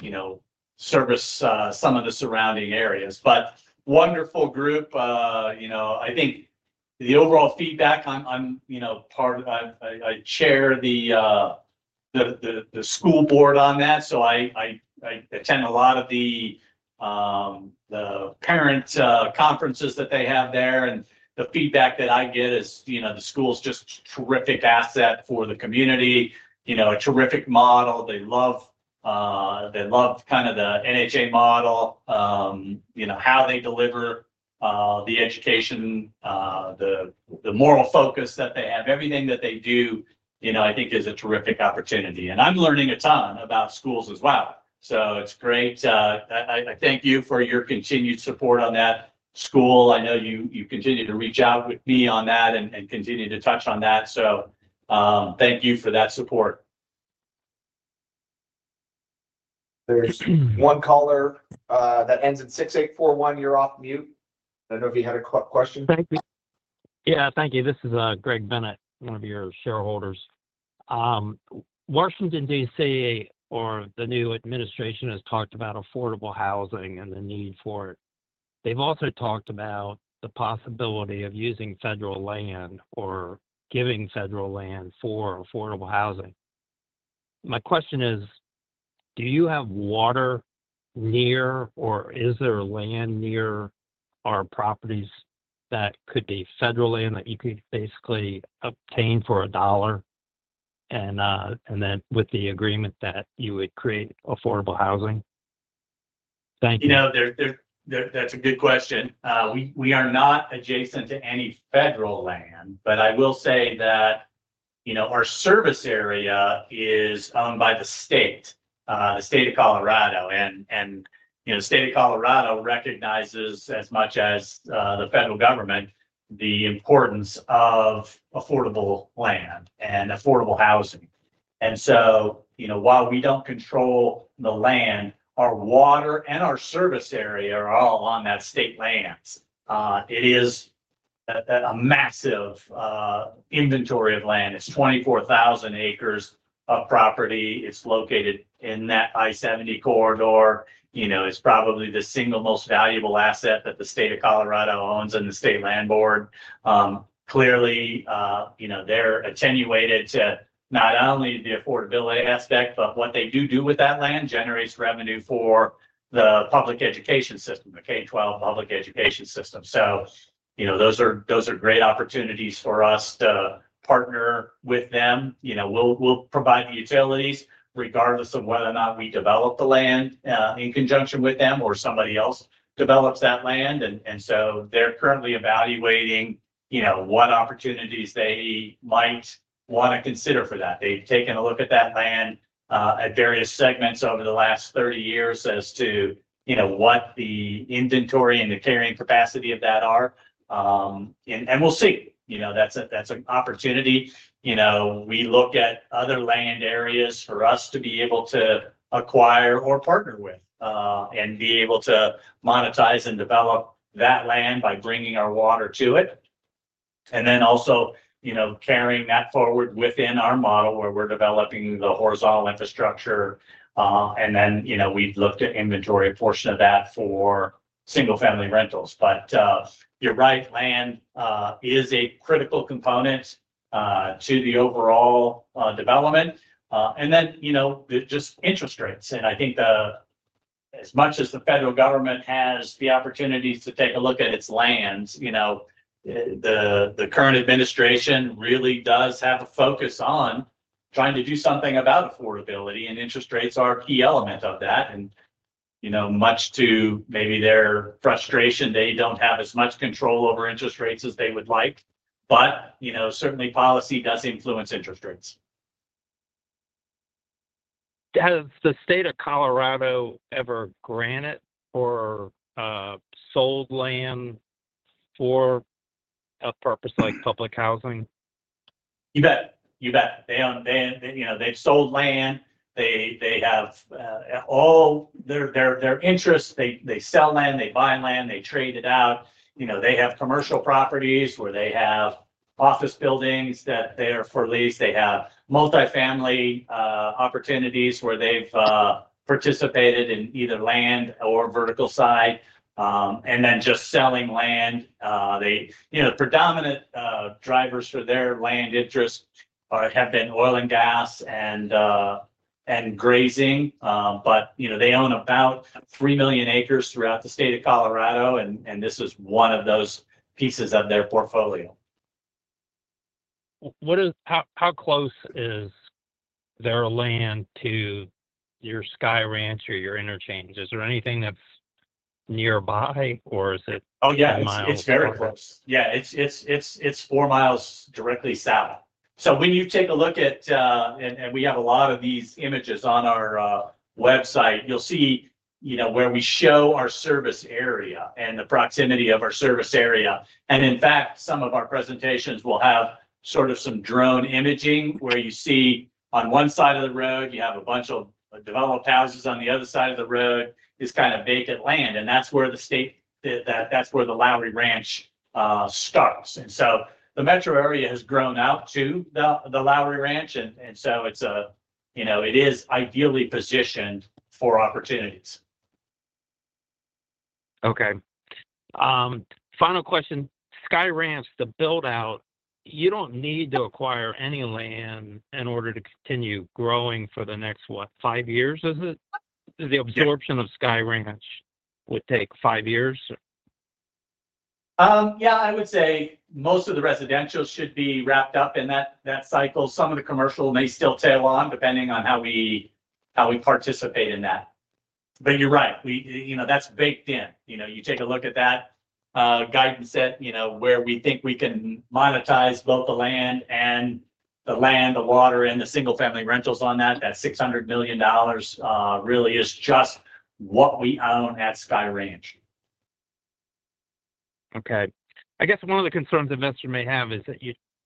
service some of the surrounding areas. Wonderful group. I think the overall feedback, I'm part of, I chair the school board on that. I attend a lot of the parent conferences that they have there. The feedback that I get is the school's just a terrific asset for the community, a terrific model. They love kind of the NHA model, how they deliver the education, the moral focus that they have. Everything that they do, I think, is a terrific opportunity. I'm learning a ton about schools as well. It's great. I thank you for your continued support on that school. I know you continue to reach out with me on that and continue to touch on that. Thank you for that support. There's one caller that ends in 6841. You're off mute. I don't know if you had a question. Thank you. Yeah. Thank you. This is Greg Bennett, one of your shareholders. Washington, DC, or the new administration has talked about affordable housing and the need for it. They've also talked about the possibility of using federal land or giving federal land for affordable housing. My question is, do you have water near, or is there land near our properties that could be federal land that you could basically obtain for a dollar and then with the agreement that you would create affordable housing? Thank you. That's a good question. We are not adjacent to any federal land, but I will say that our service area is owned by the state, the state of Colorado. The state of Colorado recognizes, as much as the federal government, the importance of affordable land and affordable housing. While we do not control the land, our water and our service area are all on that state land. It is a massive inventory of land. It is 24,000 acres of property. It is located in that I-70 corridor. It is probably the single most valuable asset that the state of Colorado owns in the state land board. Clearly, they are attenuated to not only the affordability aspect, but what they do with that land generates revenue for the public education system, the K-12 public education system. Those are great opportunities for us to partner with them. We will provide the utilities regardless of whether or not we develop the land in conjunction with them or somebody else develops that land. They're currently evaluating what opportunities they might want to consider for that. They've taken a look at that land at various segments over the last 30 years as to what the inventory and the carrying capacity of that are. We'll see. That's an opportunity. We look at other land areas for us to be able to acquire or partner with and be able to monetize and develop that land by bringing our water to it. Also carrying that forward within our model where we're developing the horizontal infrastructure. We've looked at inventory a portion of that for single-family rentals. You're right. Land is a critical component to the overall development. Just interest rates. I think as much as the federal government has the opportunities to take a look at its lands, the current administration really does have a focus on trying to do something about affordability. Interest rates are a key element of that. Much to maybe their frustration, they do not have as much control over interest rates as they would like. Certainly, policy does influence interest rates. Has the state of Colorado ever granted or sold land for a purpose like public housing? You bet. You bet. They have sold land. They have all their interests. They sell land. They buy land. They trade it out. They have commercial properties where they have office buildings that they are for lease. They have multifamily opportunities where they have participated in either land or vertical side. Then just selling land. The predominant drivers for their land interest have been oil and gas and grazing. They own about 3 million acres throughout the state of Colorado. This is one of those pieces of their portfolio. How close is their land to your Sky Ranch or your interchange? Is there anything that's nearby, or is it miles away? Oh, yeah. It's very close. It's 4 mi directly south. When you take a look at—and we have a lot of these images on our website—you'll see where we show our service area and the proximity of our service area. In fact, some of our presentations will have sort of some drone imaging where you see on one side of the road, you have a bunch of developed houses. On the other side of the road is kind of vacant land. That is where the state—that is where the Lowry Ranch starts. The metro area has grown out to the Lowry Ranch. It is ideally positioned for opportunities. Okay. Final question. Sky Ranch, the build-out, you do not need to acquire any land in order to continue growing for the next, what, five years? Is the absorption of Sky Ranch going to take five years? Yeah. I would say most of the residential should be wrapped up in that cycle. Some of the commercial may still tail on depending on how we participate in that. You are right. That is baked in. You take a look at that guidance set where we think we can monetize both the land and the water, and the single-family rentals on that, that $600 million really is just what we own at Sky Ranch. Okay. I guess one of the concerns investors may have is that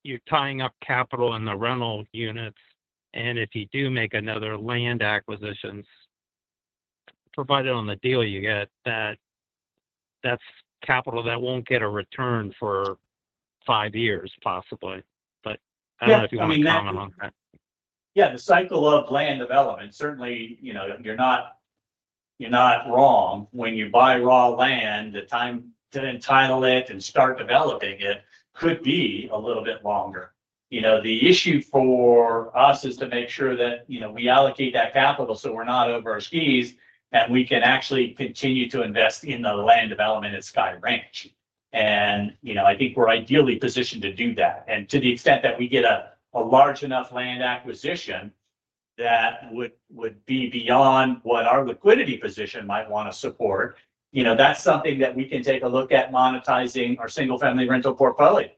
you're tying up capital in the rental units. If you do make another land acquisition, provided on the deal you get, that's capital that won't get a return for five years, possibly. I don't know if you want to comment on that. Yeah. The cycle of land development, certainly, you're not wrong. When you buy raw land, the time to entitle it and start developing it could be a little bit longer. The issue for us is to make sure that we allocate that capital so we're not over our skis and we can actually continue to invest in the land development at Sky Ranch. I think we're ideally positioned to do that. To the extent that we get a large enough land acquisition that would be beyond what our liquidity position might want to support, that's something that we can take a look at monetizing our single-family rental portfolio.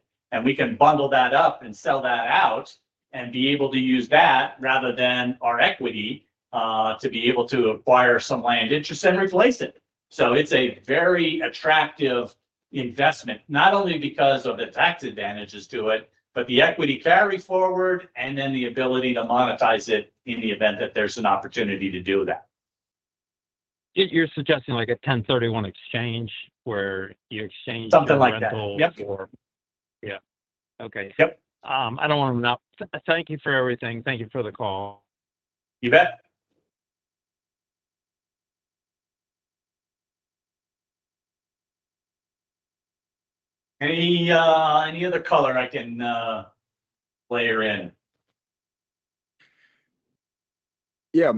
We can bundle that up and sell that out and be able to use that rather than our equity to be able to acquire some land interest and replace it. It is a very attractive investment, not only because of the tax advantages to it, but the equity carry forward and then the ability to monetize it in the event that there's an opportunity to do that. You're suggesting like a 1031 exchange where you exchange your rentals? Something like that. Yep. Yeah. Okay. Yep. I don't want to know. Thank you for everything. Thank you for the call. You bet. Any other caller I can layer in? Yeah.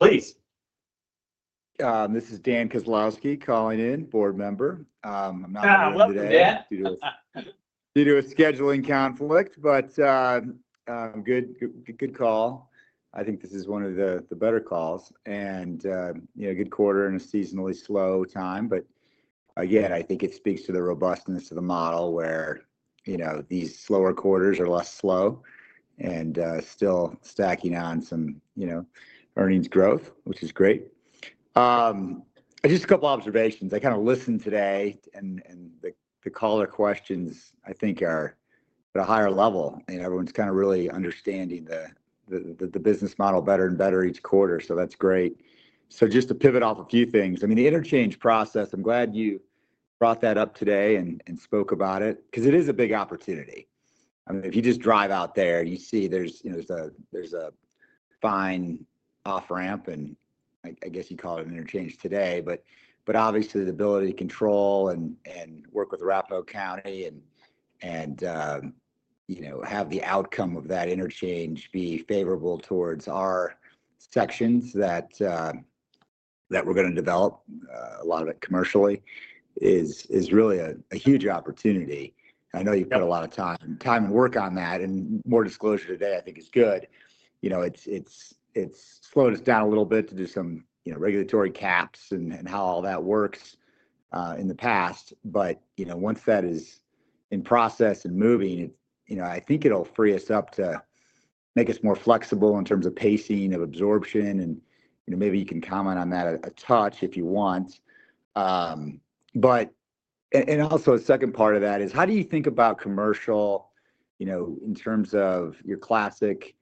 Mark. Please. This is Dan Kozlowski calling in, board member. I'm not familiar with that. Yeah. I love to do this. Due to a scheduling conflict, but good call. I think this is one of the better calls. Good quarter in a seasonally slow time. Again, I think it speaks to the robustness of the model where these slower quarters are less slow and still stacking on some earnings growth, which is great. Just a couple of observations. I kind of listened today, and the caller questions, I think, are at a higher level. Everyone's kind of really understanding the business model better and better each quarter. That is great. Just to pivot off a few things. I mean, the interchange process, I'm glad you brought that up today and spoke about it because it is a big opportunity. I mean, if you just drive out there, you see there's a fine off-ramp, and I guess you call it an interchange today. Obviously, the ability to control and work with Arapahoe County and have the outcome of that interchange be favorable towards our sections that we're going to develop, a lot of it commercially, is really a huge opportunity. I know you've put a lot of time and work on that. More disclosure today, I think, is good. It's slowed us down a little bit to do some regulatory caps and how all that works in the past. Once that is in process and moving, I think it'll free us up to make us more flexible in terms of pacing of absorption. Maybe you can comment on that a touch if you want. Also, a second part of that is, how do you think about commercial in terms of your classic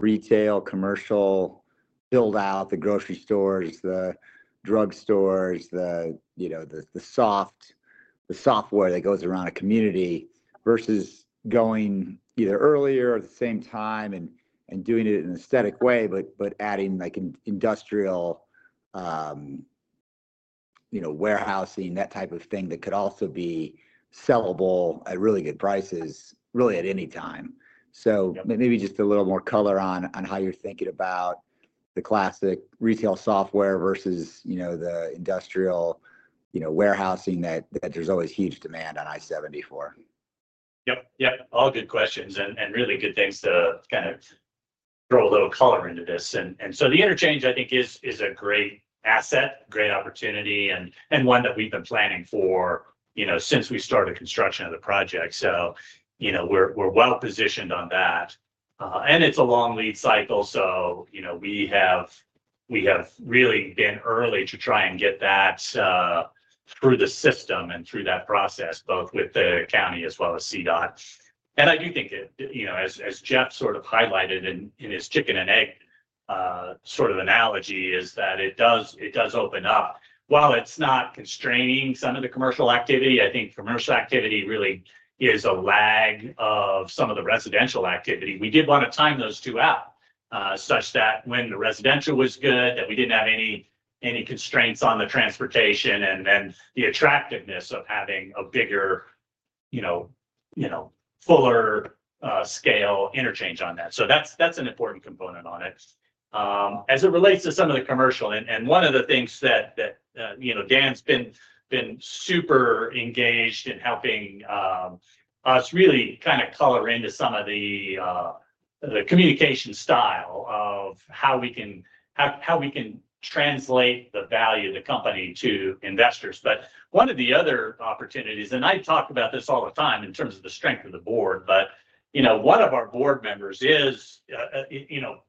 retail, commercial build-out, the grocery stores, the drug stores, the software that goes around a community versus going either earlier or at the same time and doing it in an aesthetic way, but adding industrial warehousing, that type of thing that could also be sellable at really good prices really at any time. Maybe just a little more color on how you're thinking about the classic retail software versus the industrial warehousing that there's always huge demand on I-70 for. Yep. Yep. All good questions and really good things to kind of throw a little color into this. The interchange, I think, is a great asset, great opportunity, and one that we've been planning for since we started construction of the project. We're well-positioned on that. It is a long lead cycle. We have really been early to try and get that through the system and through that process, both with the county as well as CDOT. I do think, as Jeff sort of highlighted in his chicken and egg sort of analogy, that it does open up. While it is not constraining some of the commercial activity, I think commercial activity really is a lag of some of the residential activity. We did want to time those two out such that when the residential was good, we did not have any constraints on the transportation and then the attractiveness of having a bigger, fuller scale interchange on that. That is an important component on it. As it relates to some of the commercial, and one of the things that Dan's been super engaged in helping us really kind of color into some of the communication style of how we can translate the value of the company to investors. One of the other opportunities, and I talk about this all the time in terms of the strength of the board, one of our board members is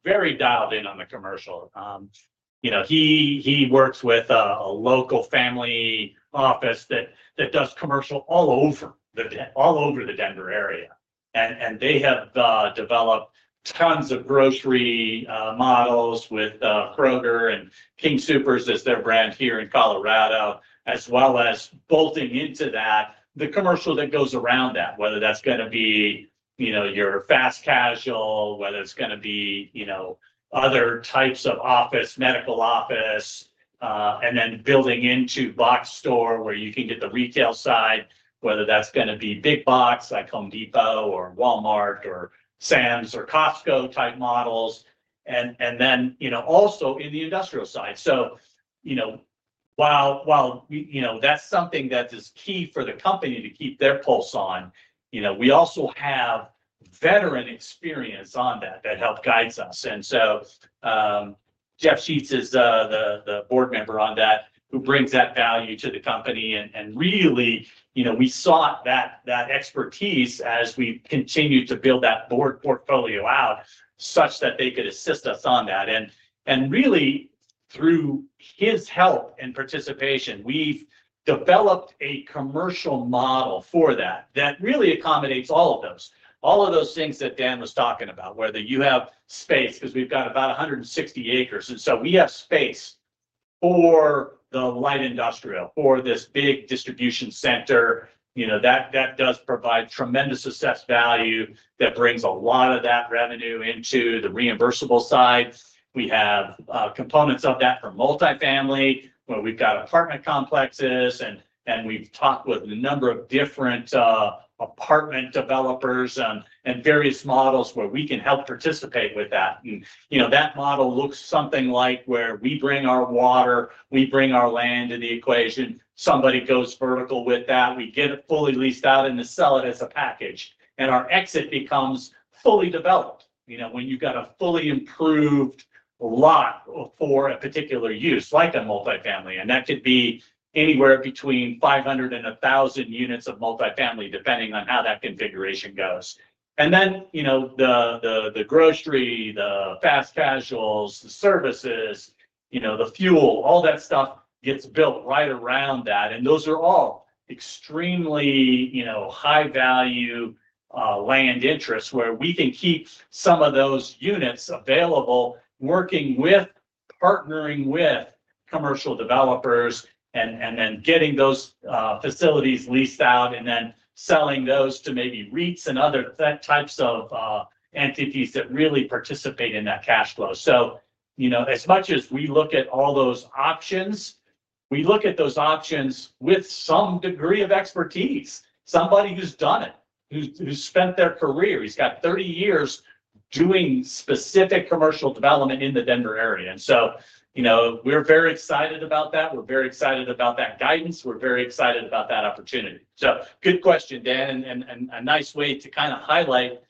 very dialed in on the commercial. He works with a local family office that does commercial all over the Denver area. They have developed tons of grocery models with Kroger and King Soopers as their brand here in Colorado, as well as bolting into that the commercial that goes around that, whether that's going to be your fast casual, whether it's going to be other types of office, medical office, and then building into box store where you can get the retail side, whether that's going to be big box like Home Depot or Walmart or Sam's or Costco-type models, and also in the industrial side. While that's something that is key for the company to keep their pulse on, we also have veteran experience on that that help guides us. Jeff Sheets is the board member on that who brings that value to the company. We sought that expertise as we continued to build that board portfolio out such that they could assist us on that. Through his help and participation, we have developed a commercial model for that that really accommodates all of those things that Dan was talking about, whether you have space because we have about 160 acres. We have space for the light industrial, for this big distribution center that does provide tremendous assessed value that brings a lot of that revenue into the reimbursable side. We have components of that for multifamily where we have apartment complexes. We have talked with a number of different apartment developers and various models where we can help participate with that. That model looks something like where we bring our water, we bring our land to the equation. Somebody goes vertical with that. We get it fully leased out and to sell it as a package. Our exit becomes fully developed when you've got a fully improved lot for a particular use like a multifamily. That could be anywhere between 500 and 1,000 units of multifamily, depending on how that configuration goes. The grocery, the fast casuals, the services, the fuel, all that stuff gets built right around that. Those are all extremely high-value land interests where we can keep some of those units available, working with, partnering with commercial developers, and then getting those facilities leased out and then selling those to maybe REITs and other types of entities that really participate in that cash flow. As much as we look at all those options, we look at those options with some degree of expertise, somebody who's done it, who's spent their career. He's got 30 years doing specific commercial development in the Denver area. We are very excited about that. We are very excited about that guidance. We are very excited about that opportunity. Good question, Dan, and a nice way to kind of highlight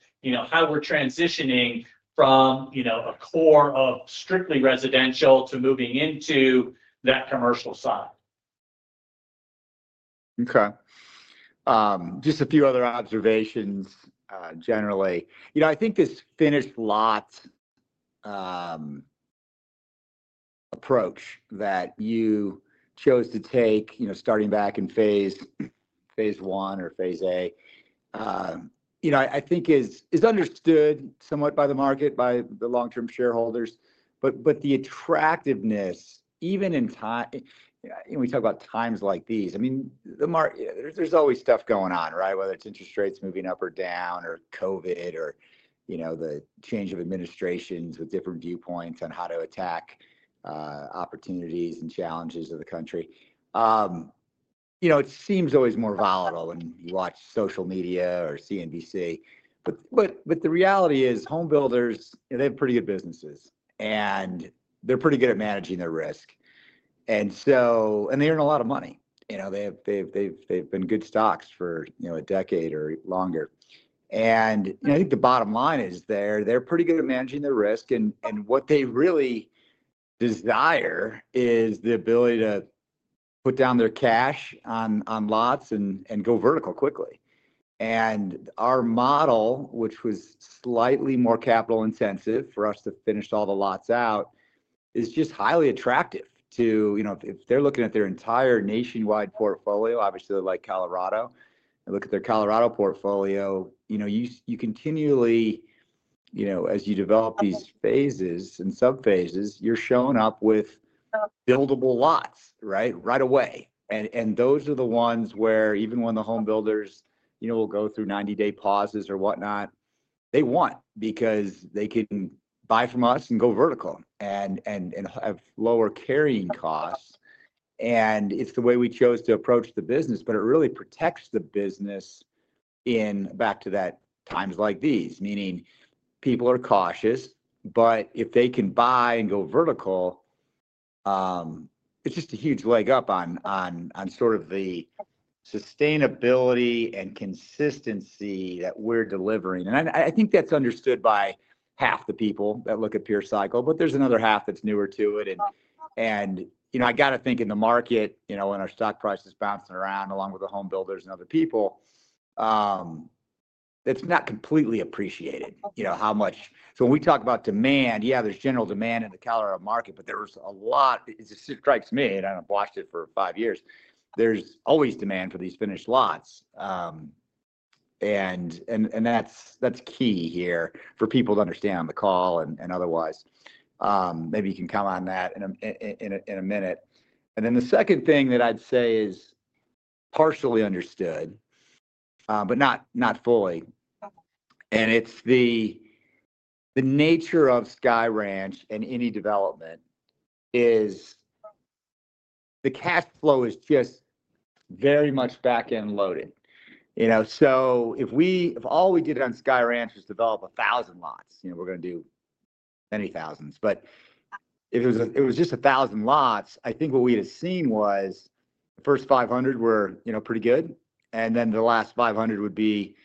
how we are transitioning from a core of strictly residential to moving into that commercial side. Just a few other observations generally. I think this finished lot approach that you chose to take starting back in phase I or phase A, I think, is understood somewhat by the market, by the long-term shareholders. The attractiveness, even in times we talk about times like these, I mean, there's always stuff going on, right? Whether it's interest rates moving up or down or COVID or the change of administrations with different viewpoints on how to attack opportunities and challenges of the country. It seems always more volatile when you watch social media or CNBC. The reality is home builders, they have pretty good businesses, and they're pretty good at managing their risk. They earn a lot of money. They've been good stocks for a decade or longer. I think the bottom line is they're pretty good at managing their risk. What they really desire is the ability to put down their cash on lots and go vertical quickly. Our model, which was slightly more capital-intensive for us to finish all the lots out, is just highly attractive to if they're looking at their entire nationwide portfolio, obviously, they like Colorado. Look at their Colorado portfolio. You continually, as you develop these phases and sub-phases, you're showing up with buildable lots, right, right away. Those are the ones where even when the home builders will go through 90-day pauses or whatnot, they want because they can buy from us and go vertical and have lower carrying costs. It is the way we chose to approach the business. It really protects the business back to times like these, meaning people are cautious. If they can buy and go vertical, it is just a huge leg up on the sustainability and consistency that we are delivering. I think that is understood by half the people that look at Pure Cycle, but there is another half that is newer to it. I have to think in the market, when our stock price is bouncing around along with the home builders and other people, it is not completely appreciated how much. When we talk about demand, yeah, there's general demand in the Colorado market, but there's a lot it just strikes me, and I've watched it for five years. There's always demand for these finished lots. That's key here for people to understand on the call and otherwise. Maybe you can comment on that in a minute. The second thing that I'd say is partially understood, but not fully. It's the nature of Sky Ranch and any development: the cash flow is just very much back-end loaded. If all we did on Sky Ranch was develop 1,000 lots, we're going to do many thousands, but if it was just 1,000 lots, I think what we had seen was the first 500 were pretty good, and then the last 500 would be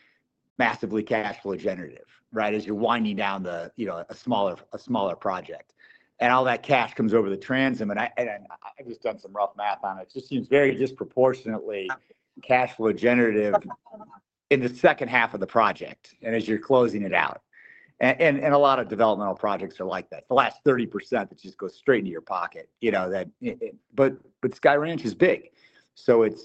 massively cash flow generative, right, as you're winding down a smaller project. All that cash comes over the transom. I've just done some rough math on it. It just seems very disproportionately cash flow generative in the second half of the project and as you're closing it out. A lot of developmental projects are like that. The last 30% just goes straight into your pocket. Sky Ranch is big. It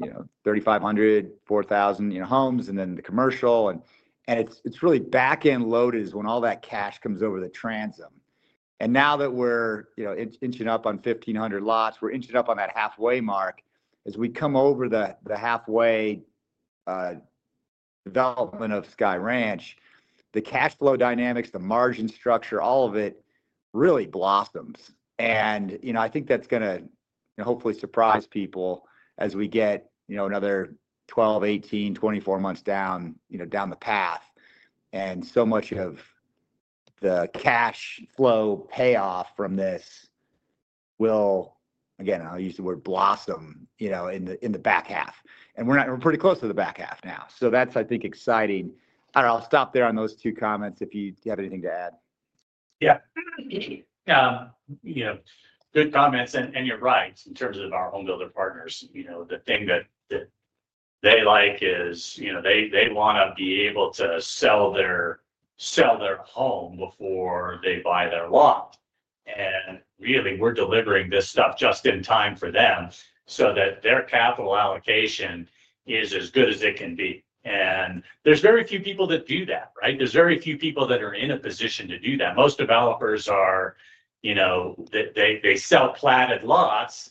is 3,500-4,000 homes, and then the commercial. It is really back-end loaded when all that cash comes over the transom. Now that we're inching up on 1,500 lots, we're inching up on that halfway mark. As we come over the halfway development of Sky Ranch, the cash flow dynamics, the margin structure, all of it really blossoms. I think that's going to hopefully surprise people as we get another 12, 18, 24 months down the path. So much of the cash flow payoff from this will, again, I'll use the word blossom in the back half. We're pretty close to the back half now. That's, I think, exciting. I'll stop there on those two comments if you have anything to add. Yeah. Good comments. You're right. In terms of our home builder partners, the thing that they like is they want to be able to sell their home before they buy their lot. Really, we're delivering this stuff just in time for them so that their capital allocation is as good as it can be. There's very few people that do that, right? There's very few people that are in a position to do that. Most developers sell platted lots,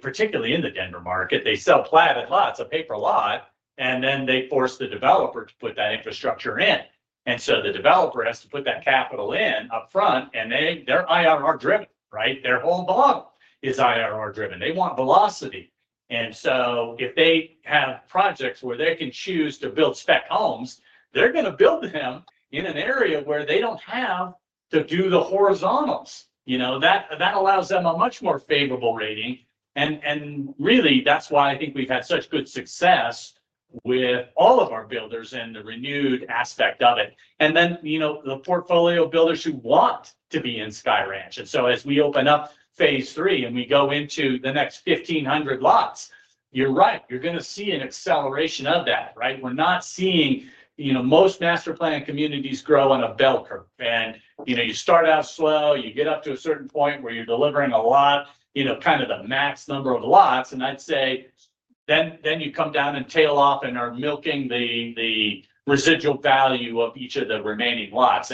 particularly in the Denver market. They sell platted lots, a paper lot, and then they force the developer to put that infrastructure in. The developer has to put that capital in upfront, and they're IRR-driven, right? Their whole model is IRR-driven. They want velocity. If they have projects where they can choose to build spec homes, they're going to build them in an area where they do not have to do the horizontals. That allows them a much more favorable rating. Really, that's why I think we've had such good success with all of our builders and the renewed aspect of it. The portfolio builders who want to be in Sky Ranch. As we open up phase III and we go into the next 1,500 lots, you're right. You're going to see an acceleration of that, right? We're not seeing most master plan communities grow on a bell curve. You start out slow. You get up to a certain point where you're delivering a lot, kind of the max number of lots. I'd say you come down and tail off and are milking the residual value of each of the remaining lots.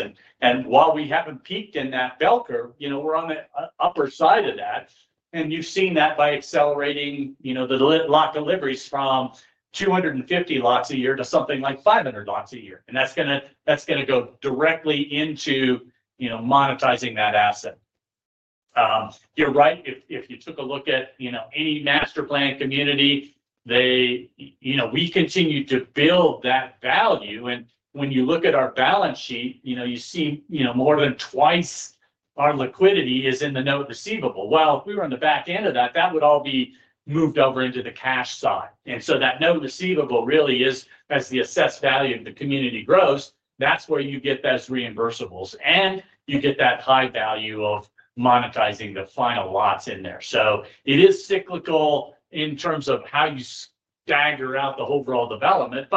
While we haven't peaked in that bell curve, we're on the upper side of that. You've seen that by accelerating the lot deliveries from 250 lots a year to something like 500 lots a year. That's going to go directly into monetizing that asset. You're right. If you took a look at any master plan community, we continue to build that value. When you look at our balance sheet, you see more than twice our liquidity is in the note receivable. If we were on the back end of that, that would all be moved over into the cash side. And so that note receivable really is, as the assessed value of the community grows, that's where you get those reimbursables. You get that high value of monetizing the final lots in there. It is cyclical in terms of how you stagger out the overall development.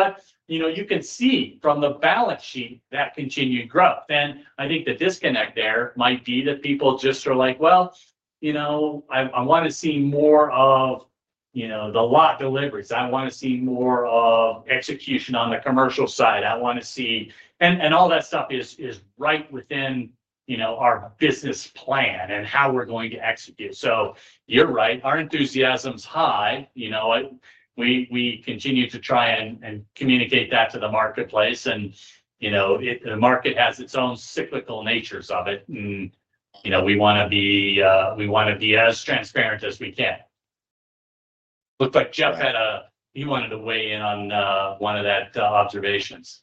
You can see from the balance sheet that continued growth. I think the disconnect there might be that people just are like, "I want to see more of the lot deliveries. I want to see more of execution on the commercial side. I want to see" and all that stuff is right within our business plan and how we're going to execute. You're right. Our enthusiasm's high. We continue to try and communicate that to the marketplace. The market has its own cyclical natures of it. We want to be as transparent as we can. Looks like Jeff wanted to weigh in on one of those observations.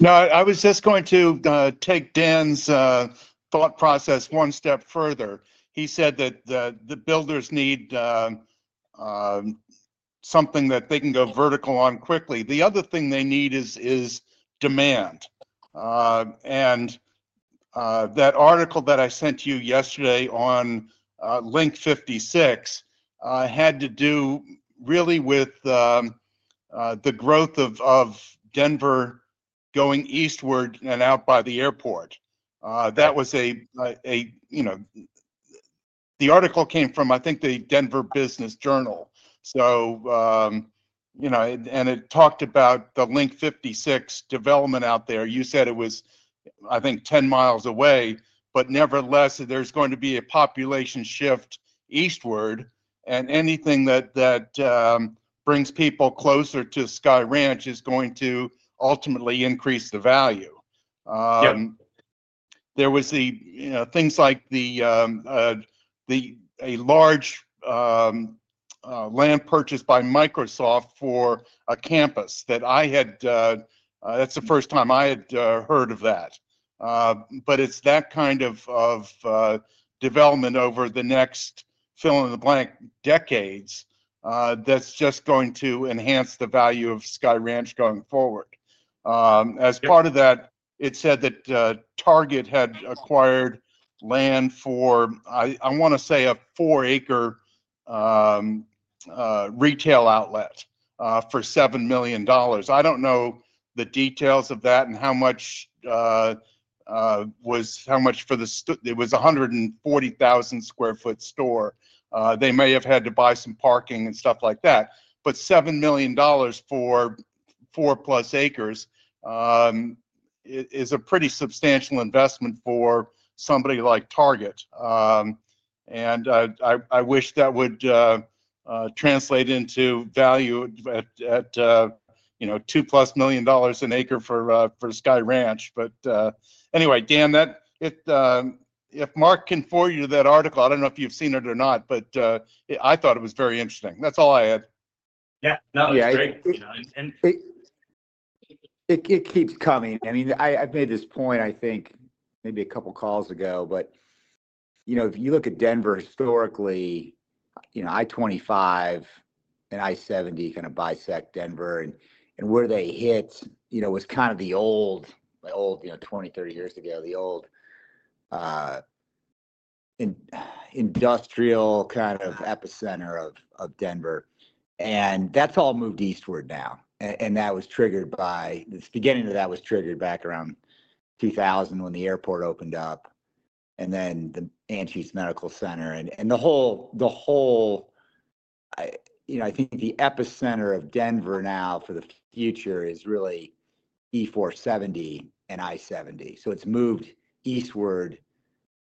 No, I was just going to take Dan's thought process one step further. He said that the builders need something that they can go vertical on quickly. The other thing they need is demand. That article that I sent you yesterday on Link 56 had to do really with the growth of Denver going eastward and out by the airport. The article came from, I think, the Denver Business Journal. It talked about the Link 56 development out there. You said it was, I think, 10 mi away. Nevertheless, there is going to be a population shift eastward. Anything that brings people closer to Sky Ranch is going to ultimately increase the value. There were things like a large land purchase by Microsoft for a campus that I had, that's the first time I had heard of that. It is that kind of development over the next fill-in-the-blank decades that is just going to enhance the value of Sky Ranch going forward. As part of that, it said that Target had acquired land for, I want to say, a four-acre retail outlet for $7 million. I do not know the details of that and how much was, how much for the, it was a 140,000 sq ft store. They may have had to buy some parking and stuff like that. $7 million for 4+ acres is a pretty substantial investment for somebody like Target. I wish that would translate into value at $2+ million an acre for Sky Ranch. Anyway, damn it, if Mark can forward you that article, I do not know if you have seen it or not, but I thought it was very interesting. That is all I had. Yeah. No, it was great. It keeps coming. I mean, I have made this point, I think, maybe a couple of calls ago. If you look at Denver historically, I-25 and I-70 kind of bisect Denver. Where they hit was kind of the old, 20, 30 years ago, the old industrial kind of epicenter of Denver. That has all moved eastward now. That was triggered by the beginning of that, which was triggered back around 2000 when the airport opened up. Then the Anschutz Medical Center. The whole, I think, the epicenter of Denver now for the future is really E-470 and I-70. It has moved eastward,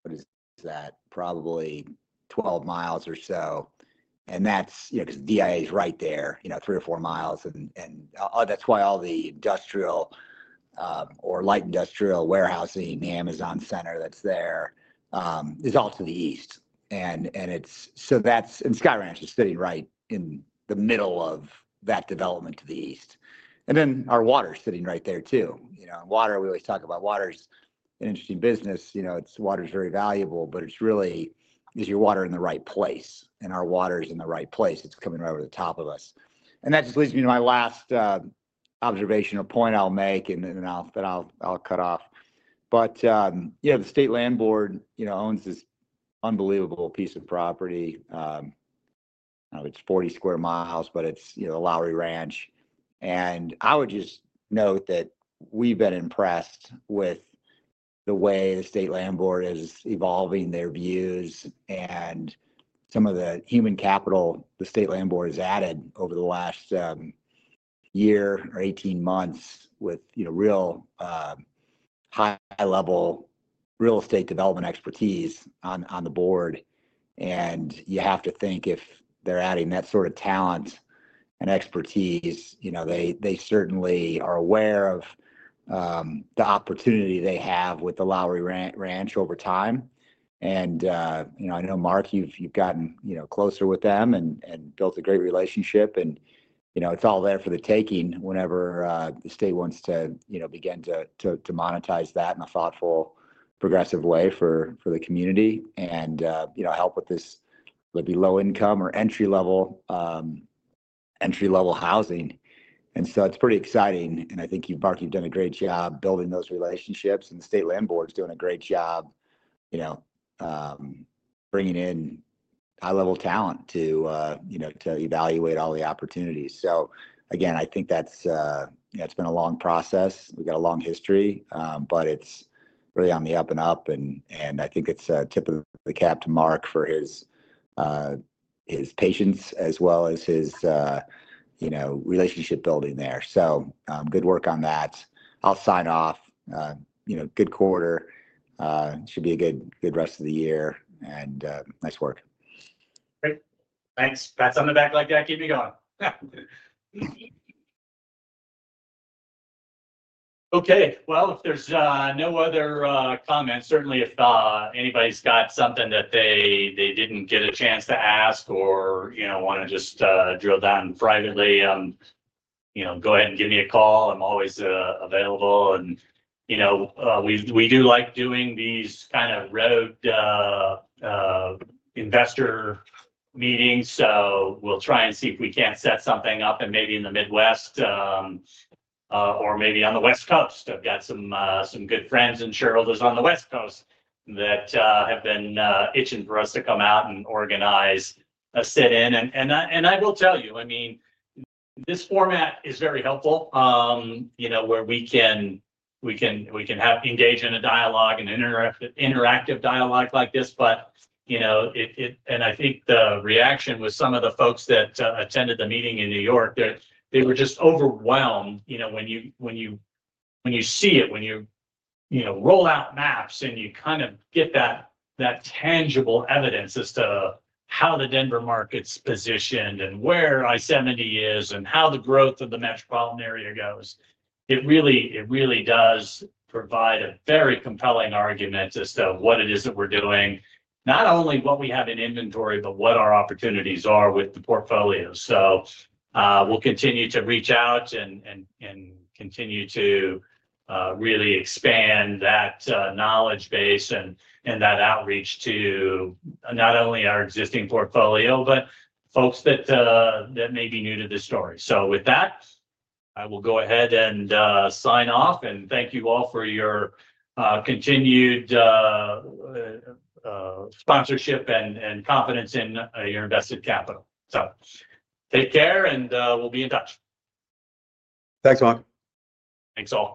what is that, probably 12 mi or so. That is because DIA is right there, 3 mi or 4 mi. That is why all the industrial or light industrial warehousing Amazon Center that is there is off to the east. Sky Ranch is sitting right in the middle of that development to the east. Our water is sitting right there too. Water, we always talk about, is an interesting business. Water is very valuable, but it really is, is your water in the right place? Our water is in the right place. It is coming right over the top of us. That just leads me to my last observation or point I will make, and then I will cut off. The state landlord owns this unbelievable piece of property. It's 40 sq mi, but it's Lowry Ranch. I would just note that we've been impressed with the way the state landlord is evolving their views and some of the human capital the state landlord has added over the last year or 18 months with real high-level real estate development expertise on the board. You have to think if they're adding that sort of talent and expertise, they certainly are aware of the opportunity they have with the Lowry Ranch over time. I know, Mark, you've gotten closer with them and built a great relationship. It's all there for the taking whenever the state wants to begin to monetize that in a thoughtful, progressive way for the community and help with this would be low-income or entry-level housing. It's pretty exciting. I think, Mark, you've done a great job building those relationships. The state landlord is doing a great job bringing in high-level talent to evaluate all the opportunities. I think that's been a long process. We've got a long history, but it's really on the up and up. I think it's tipping the cap to Mark for his patience as well as his relationship building there. Good work on that. I'll sign off. Good quarter. It should be a good rest of the year. Nice work. Great. Thanks. Pats on the back like that keep me going. If there's no other comments, certainly if anybody's got something that they didn't get a chance to ask or want to just drill down privately, go ahead and give me a call. I'm always available. We do like doing these kind of road investor meetings. We'll try and see if we can't set something up, maybe in the Midwest or maybe on the West Coast. I've got some good friends and shareholders on the West Coast that have been itching for us to come out and organize a sit-in. I will tell you, I mean, this format is very helpful where we can engage in a dialogue, an interactive dialogue like this. I think the reaction with some of the folks that attended the meeting in New York, they were just overwhelmed when you see it, when you roll out maps and you kind of get that tangible evidence as to how the Denver market's positioned and where I-70 is and how the growth of the metropolitan area goes. It really does provide a very compelling argument as to what it is that we're doing, not only what we have in inventory, but what our opportunities are with the portfolio. We will continue to reach out and continue to really expand that knowledge base and that outreach to not only our existing portfolio, but folks that may be new to the story. With that, I will go ahead and sign off. Thank you all for your continued sponsorship and confidence in your invested capital. Take care, and we'll be in touch. Thanks, Mark. Thanks all.